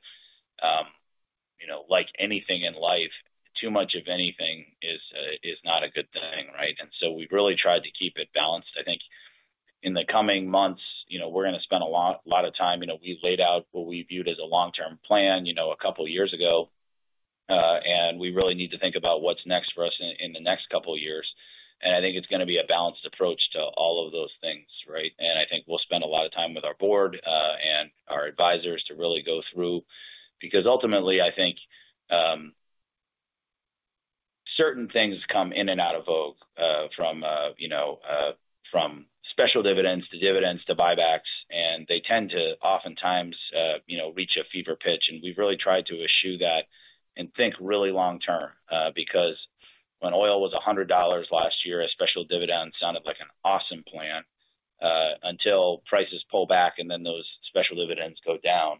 Speaker 3: you know, like anything in life, too much of anything is not a good thing, right? We've really tried to keep it balanced. I think in the coming months, you know, we're gonna spend a lot of time. You know, we've laid out what we viewed as a long-term plan, you know, a couple years ago, and we really need to think about what's next for us in the next couple years. I think it's gonna be a balanced approach to all of those things, right? I think we'll spend a lot of time with our board, and our advisors to really go through. Ultimately, I think, certain things come in and out of vogue, from, you know, from special dividends to dividends to buybacks, and they tend to oftentimes, you know, reach a fever pitch. We've really tried to eschew that and think really long term, because when oil was $100 last year, a special dividend sounded like an awesome plan, until prices pull back and then those special dividends go down.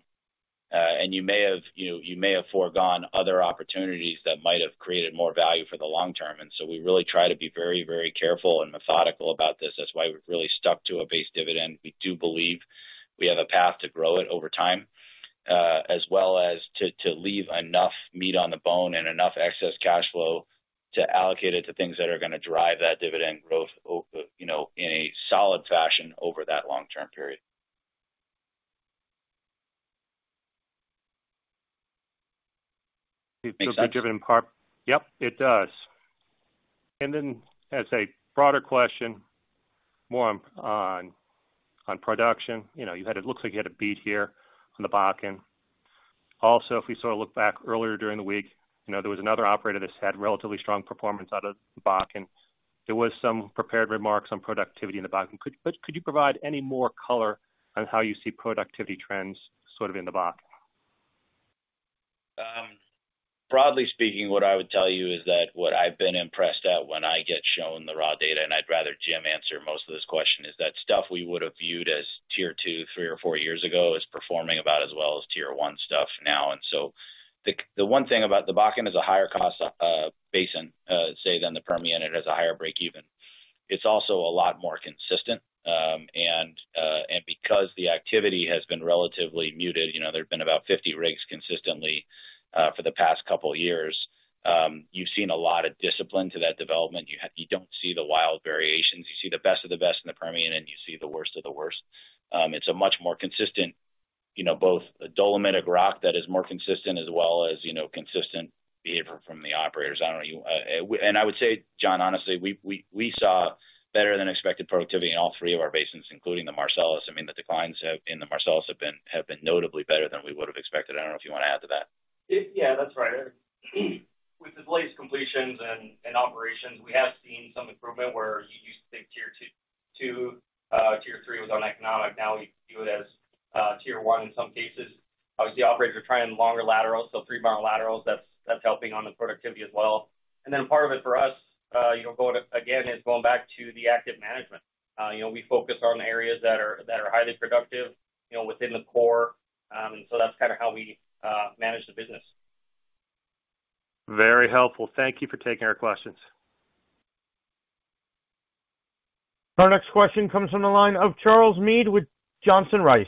Speaker 3: You may have, you know, you may have foregone other opportunities that might have created more value for the long term. We really try to be very, very careful and methodical about this. That's why we've really stuck to a base dividend. We do believe we have a path to grow it over time, as well as to leave enough meat on the bone and enough excess cash flow to allocate it to things that are gonna drive that dividend growth over, you know, in a solid fashion over that long-term period.
Speaker 11: It's a big driven part.
Speaker 3: Makes sense?
Speaker 11: Yep, it does. As a broader question, more on production. You know, you had a looks like you had a beat here on the Bakken. If we sort of look back earlier during the week, you know, there was another operator that's had relatively strong performance out of Bakken. There was some prepared remarks on productivity in the Bakken. Could you provide any more color on how you see productivity trends sort of in the Bakken?
Speaker 3: Broadly speaking, what I would tell you is that what I've been impressed at when I get shown the raw data, and I'd rather Jim answer most of this question, is that stuff we would have viewed as tier two, three or four years ago is performing about as well as tier one stuff now. The one thing about the Bakken is a higher cost basin, say, than the Permian, and it has a higher break even. It's also a lot more consistent. Because the activity has been relatively muted, you know, there have been about 50 rigs consistently for the past couple years, you've seen a lot of discipline to that development. You don't see the wild variations. You see the best of the best in the Permian. You see the worst of the worst. It's a much more consistent, you know, both a dolomitic rock that is more consistent as well as, you know, consistent behavior from the operators. I don't know. And I would say, John, honestly, we saw better than expected productivity in all three of our basins, including the Marcellus. I mean, the declines in the Marcellus have been notably better than we would have expected. I don't know if you want to add to that?
Speaker 12: Yeah, that's right. With the latest completions and operations, we have seen some improvement where you used to think tier 2, tier 3 was uneconomic. Now we view it as tier 1 in some cases. Obviously, operators are trying longer laterals, so three-mile laterals, that's helping on the productivity as well. Part of it for us, you know, again, is going back to the active management. You know, we focus on areas that are highly productive, you know, within the core. That's kinda how we manage the business.
Speaker 11: Very helpful. Thank you for taking our questions.
Speaker 1: Our next question comes from the line of Charles Meade with Johnson Rice.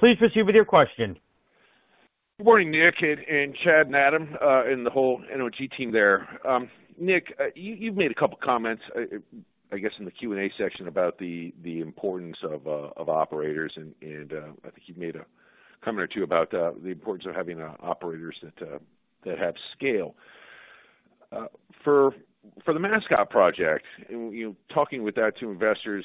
Speaker 1: Please proceed with your question.
Speaker 13: Good morning, Nick and Chad and Adam, and the whole NOG team there. Nick, you've made a two comments, I guess in the Q&A section about the importance of operators, and I think you made a comment or two about the importance of having operators that have scale. For the Mascot Project and, you know, talking with that to investors,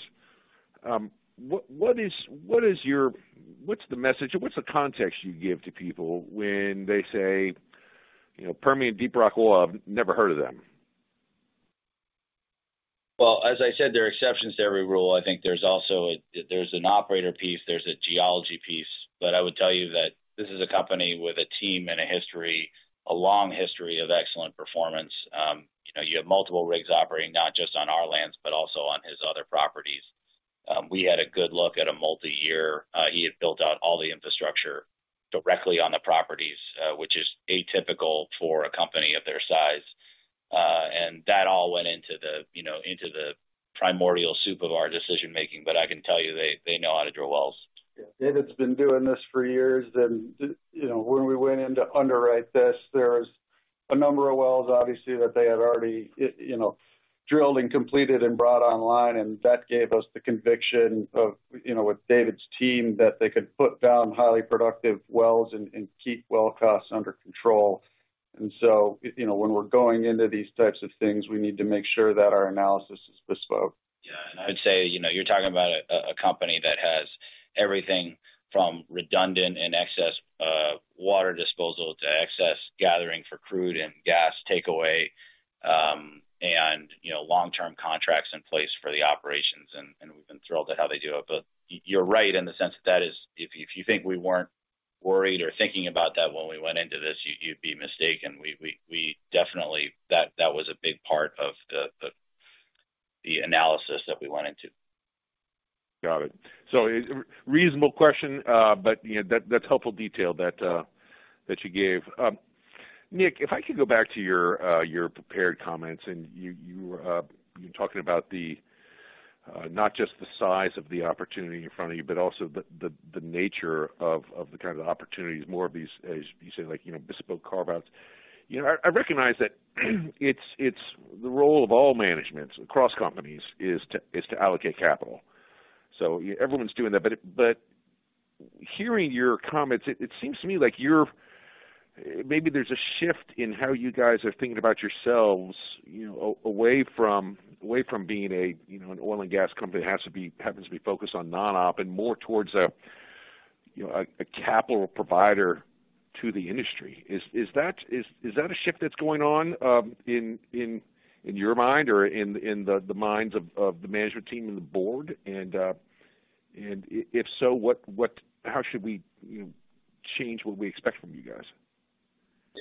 Speaker 13: what is what's the message or what's the context you give to people when they say, you know, "Permian Deep Rock Oil, never heard of them?
Speaker 3: As I said, there are exceptions to every rule. I think there's also there's an operator piece, there's a geology piece. I would tell you that this is a company with a team and a history, a long history of excellent performance. You know, you have multiple rigs operating not just on our lands, but also on his other properties. We had a good look at a multiyear. He had built out all the infrastructure directly on the properties, which is atypical for a company of their size. And that all went into the, you know, into the primordial soup of our decision-making. I can tell you, they know how to drill wells.
Speaker 4: Yeah. David's been doing this for years. You know, when we went in to underwrite this, there was a number of wells, obviously, that they had already, you know, drilled and completed and brought online, and that gave us the conviction of, you know, with David's team, that they could put down highly productive wells and keep well costs under control. You know, when we're going into these types of things, we need to make sure that our analysis is bespoke.
Speaker 3: I would say, you know, you're talking about a company that has everything from redundant and excess water disposal to excess gathering for crude and gas takeaway, and, you know, long-term contracts in place for the operations. We've been thrilled at how they do it. You're right in the sense that that is... If you think we weren't worried or thinking about that when we went into this, you'd be mistaken. We definitely... That was a big part of the analysis that we went into.
Speaker 13: Got it. Reasonable question. But, you know, that's helpful detail that you gave. Nick, if I could go back to your prepared comments, and you're talking about the not just the size of the opportunity in front of you, but also the nature of the kind of opportunities, more of these, as you say, like, you know, bespoke carve-outs. You know, I recognize that it's the role of all managements across companies is to allocate capital. Everyone's doing that. But hearing your comments, it seems to me like you're... Maybe there's a shift in how you guys are thinking about yourselves, you know, away from, away from being a, you know, an oil and gas company that happens to be focused on non-op and more towards a, you know, a capital provider to the industry. Is that a shift that's going on in your mind or in the minds of the management team and the board? If so, what? How should we, you know, change what we expect from you guys?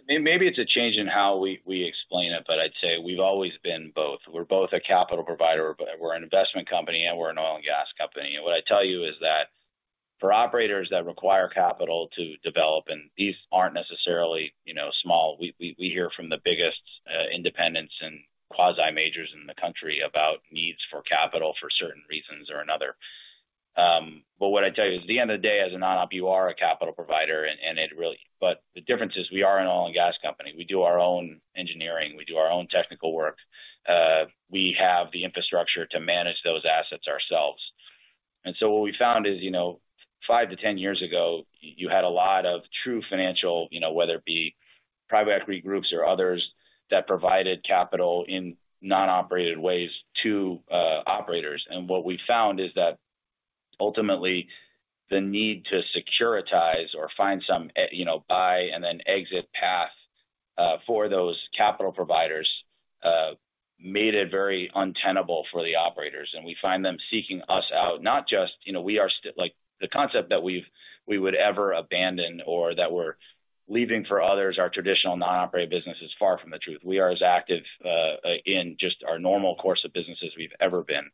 Speaker 3: Maybe it's a change in how we explain it, but I'd say we've always been both. We're both a capital provider, but we're an investment company, and we're an oil and gas company. What I tell you is that for operators that require capital to develop, and these aren't necessarily, you know, small. We hear from the biggest independents and quasi-majors in the country about needs for capital for certain reasons or another. What I tell you is, at the end of the day, as a non-op, you are a capital provider. The difference is we are an oil and gas company. We do our own engineering. We do our own technical work. We have the infrastructure to manage those assets ourselves. What we found is, you know, 5 to 10 years ago, you had a lot of true financial, you know, whether it be private equity groups or others that provided capital in non-operated ways to operators. What we found is that ultimately the need to securitize or find some, you know, buy and then exit path for those capital providers made it very untenable for the operators. We find them seeking us out, not just, you know, we are still. Like, the concept that we would ever abandon or that we're leaving for others our traditional non-operated business is far from the truth. We are as active in just our normal course of business as we've ever been.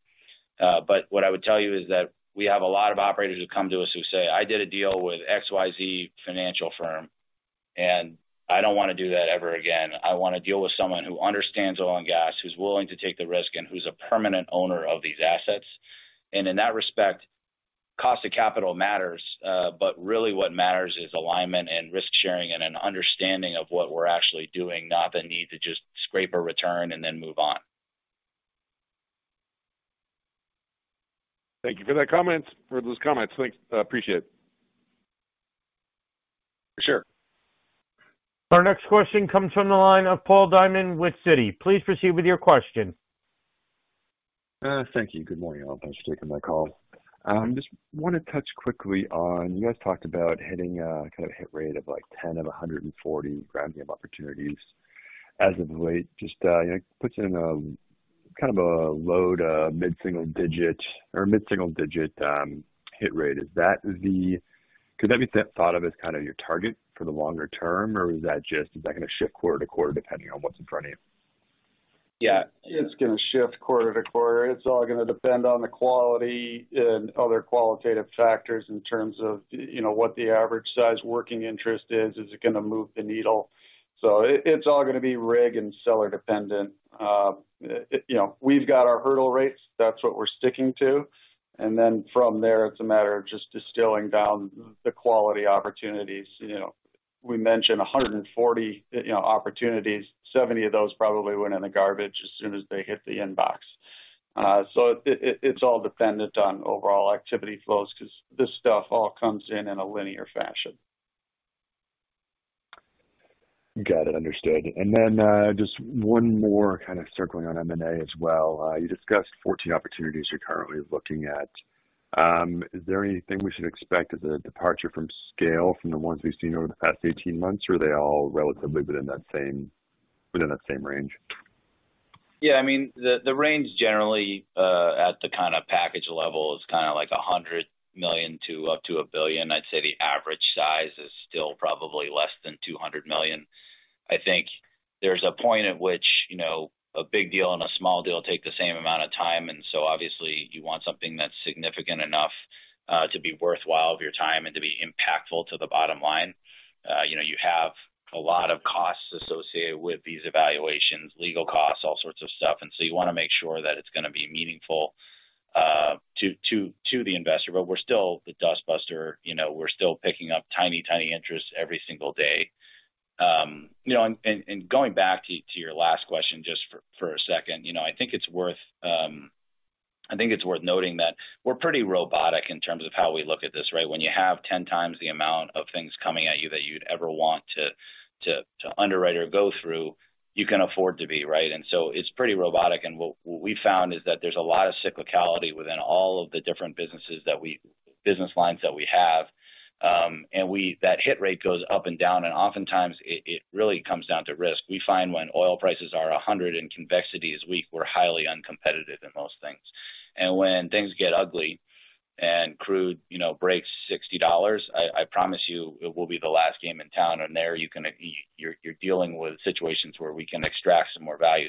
Speaker 3: What I would tell you is that we have a lot of operators who come to us who say, "I did a deal with XYZ financial firm, and I don't wanna do that ever again. I wanna deal with someone who understands oil and gas, who's willing to take the risk, and who's a permanent owner of these assets." In that respect, cost of capital matters, but really what matters is alignment and risk-sharing and an understanding of what we're actually doing, not the need to just scrape a return and then move on.
Speaker 13: Thank you for those comments. Thanks. Appreciate it.
Speaker 3: Sure.
Speaker 1: Our next question comes from the line of Paul Diamond with Citi. Please proceed with your question.
Speaker 14: Thank you. Good morning, all. Thanks for taking my call. Just wanna touch quickly on, you guys talked about hitting a kind of hit rate of, like, 10 of 140 Grammy of opportunities as of late. Just, you know, puts in kind of a load mid-single digit or mid-single digit hit rate. Is that the... Could that be thought of as kind of your target for the longer term, or is that just, is that gonna shift quarter to quarter depending on what's in front of you?
Speaker 3: Yeah.
Speaker 4: It's gonna shift quarter to quarter. It's all gonna depend on the quality and other qualitative factors in terms of, you know, what the average size working interest is. Is it gonna move the needle? It's all gonna be rig and seller dependent. You know, we've got our hurdle rates. That's what we're sticking to. Then from there, it's a matter of just distilling down the quality opportunities. You know, we mentioned 140, you know, opportunities. 70 of those probably went in the garbage as soon as they hit the inbox. It's all dependent on overall activity flows 'cause this stuff all comes in in a linear fashion.
Speaker 14: Got it. Understood. Just one more kind of circling on M&A as well. You discussed 14 opportunities you're currently looking at. Is there anything we should expect as a departure from scale from the ones we've seen over the past 18 months, or are they all relatively within that same range?
Speaker 3: Yeah. I mean, the range generally, at the kind of package level is kinda like $100 million to up to $1 billion. I'd say the average size is still probably less than $200 million. I think there's a point at which, you know, a big deal and a small deal take the same amount of time. Obviously, you want something that's significant enough to be worthwhile of your time and to be impactful to the bottom line. You know, you have a lot of costs associated with these evaluations, legal costs, all sorts of stuff, so you wanna make sure that it's gonna be meaningful to the investor. We're still the dustbuster, you know, we're still picking up tiny interests every single day. You know, going back to your last question just for a second, you know, I think it's worth noting that we're pretty robotic in terms of how we look at this, right? When you have 10 times the amount of things coming at you that you'd ever want to underwrite or go through, you can afford to be, right? It's pretty robotic. What we found is that there's a lot of cyclicality within all of the different business lines that we have. That hit rate goes up and down, and oftentimes it really comes down to risk. We find when oil prices are 100 and convexity is weak, we're highly uncompetitive in most things. When things get ugly and crude, you know, breaks $60, I promise you it will be the last game in town. There you're dealing with situations where we can extract some more value.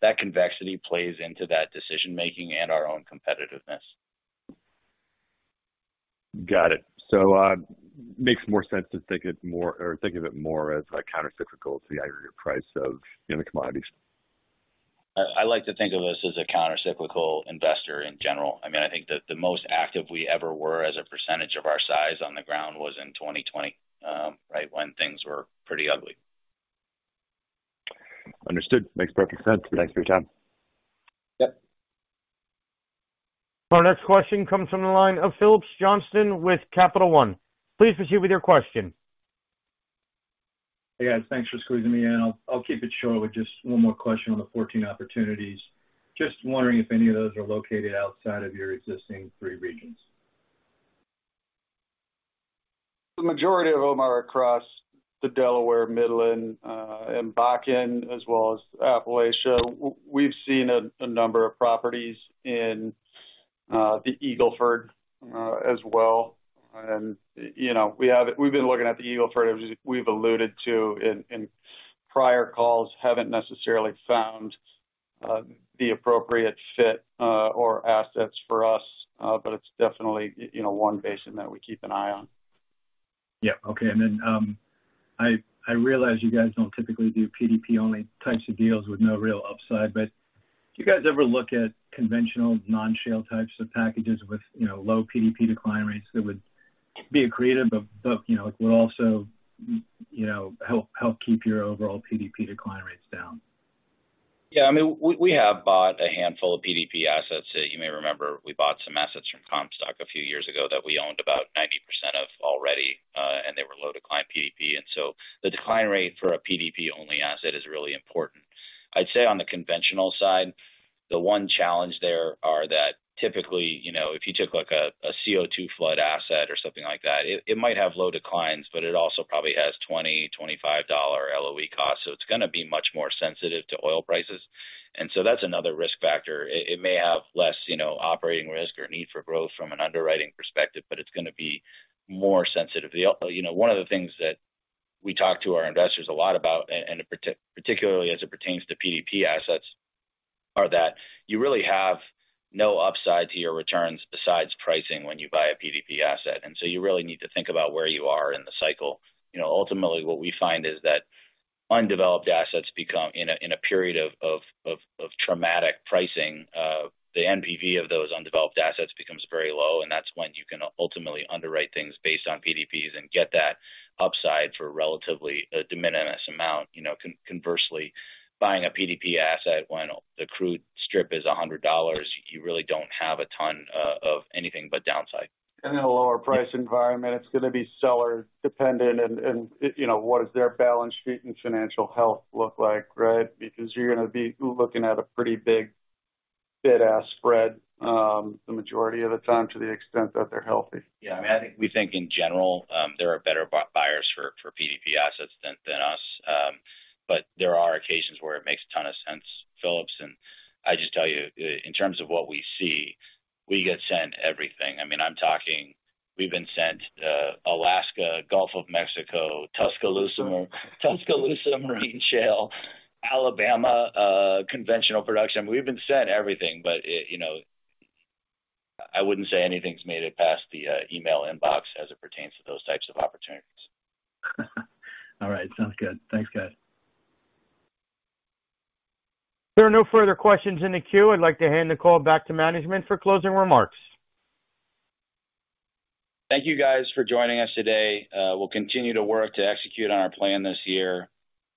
Speaker 3: That convexity plays into that decision-making and our own competitiveness.
Speaker 14: Got it. makes more sense to think it more or think of it more as, like, countercyclical to the aggregate price of, you know, commodities.
Speaker 3: I like to think of us as a countercyclical investor in general. I mean, I think that the most active we ever were as a percentage of our size on the ground was in 2020, right, when things were pretty ugly.
Speaker 14: Understood. Makes perfect sense. Thanks for your time.
Speaker 3: Yep.
Speaker 1: Our next question comes from the line of Phillips Johnston with Capital One. Please proceed with your question.
Speaker 15: Hey, guys. Thanks for squeezing me in. I'll keep it short with just one more question on the 14 opportunities. Just wondering if any of those are located outside of your existing 3 regions.
Speaker 4: The majority of them are across the Delaware, Midland, and Bakken, as well as Appalachia. We've seen a number of properties in the Eagle Ford, as well. You know, we've been looking at the Eagle Ford, as we've alluded to in prior calls. Haven't necessarily found the appropriate fit or assets for us, but it's definitely, you know, one basin that we keep an eye on.
Speaker 15: Yeah. Okay. Then, I realize you guys don't typically do PDP only types of deals with no real upside, but do you guys ever look at conventional non-shale types of packages with, you know, low PDP decline rates that would be accretive but, you know, it would also, you know, help keep your overall PDP decline rates down?
Speaker 3: I mean, we have bought a handful of PDP assets. You may remember we bought some assets from Comstock a few years ago that we owned about 90% of already, they were low decline PDP. The decline rate for a PDP only asset is really important. I'd say on the conventional side, the one challenge there are that typically, you know, if you took like a CO2 flood asset or something like that, it might have low declines, but it also probably has $20-$25 LOE costs, so it's gonna be much more sensitive to oil prices. That's another risk factor. It may have less, you know, operating risk or need for growth from an underwriting perspective, but it's gonna be more sensitive. You know, one of the things that we talk to our investors a lot about, particularly as it pertains to PDP assets, are that you really have no upside to your returns besides pricing when you buy a PDP asset. You really need to think about where you are in the cycle. You know, ultimately what we find is that undeveloped assets become in a period of traumatic pricing, the NPV of those undeveloped assets becomes very low, and that's when you can ultimately underwrite things based on PDPs and get that upside for relatively a de minimis amount. You know, conversely, buying a PDP asset when the crude strip is $100, you really don't have a ton of anything but downside.
Speaker 4: In a lower price environment, it's gonna be seller dependent and, you know, what does their balance sheet and financial health look like, right? You're gonna be looking at a pretty big bid-ask spread, the majority of the time to the extent that they're healthy.
Speaker 3: Yeah. I mean, I think we think in general, there are better buyers for PDP assets than us. There are occasions where it makes a ton of sense, Phillips. I just tell you, in terms of what we see, we get sent everything. I mean, I'm talking We've been sent Alaska, Gulf of Mexico, Tuscaloosa Marine Shale, Alabama, conventional production. We've been sent everything, but you know, I wouldn't say anything's made it past the email inbox as it pertains to those types of opportunities.
Speaker 15: All right. Sounds good. Thanks, guys.
Speaker 1: There are no further questions in the queue. I'd like to hand the call back to management for closing remarks.
Speaker 3: Thank you guys for joining us today. We'll continue to work to execute on our plan this year.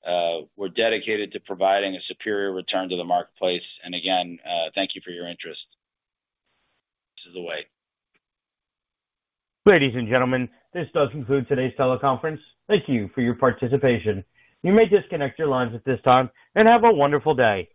Speaker 3: We're dedicated to providing a superior return to the marketplace. Again, thank you for your interest. This is the way.
Speaker 1: Ladies and gentlemen, this does conclude today's teleconference. Thank you for your participation. You may disconnect your lines at this time, and have a wonderful day.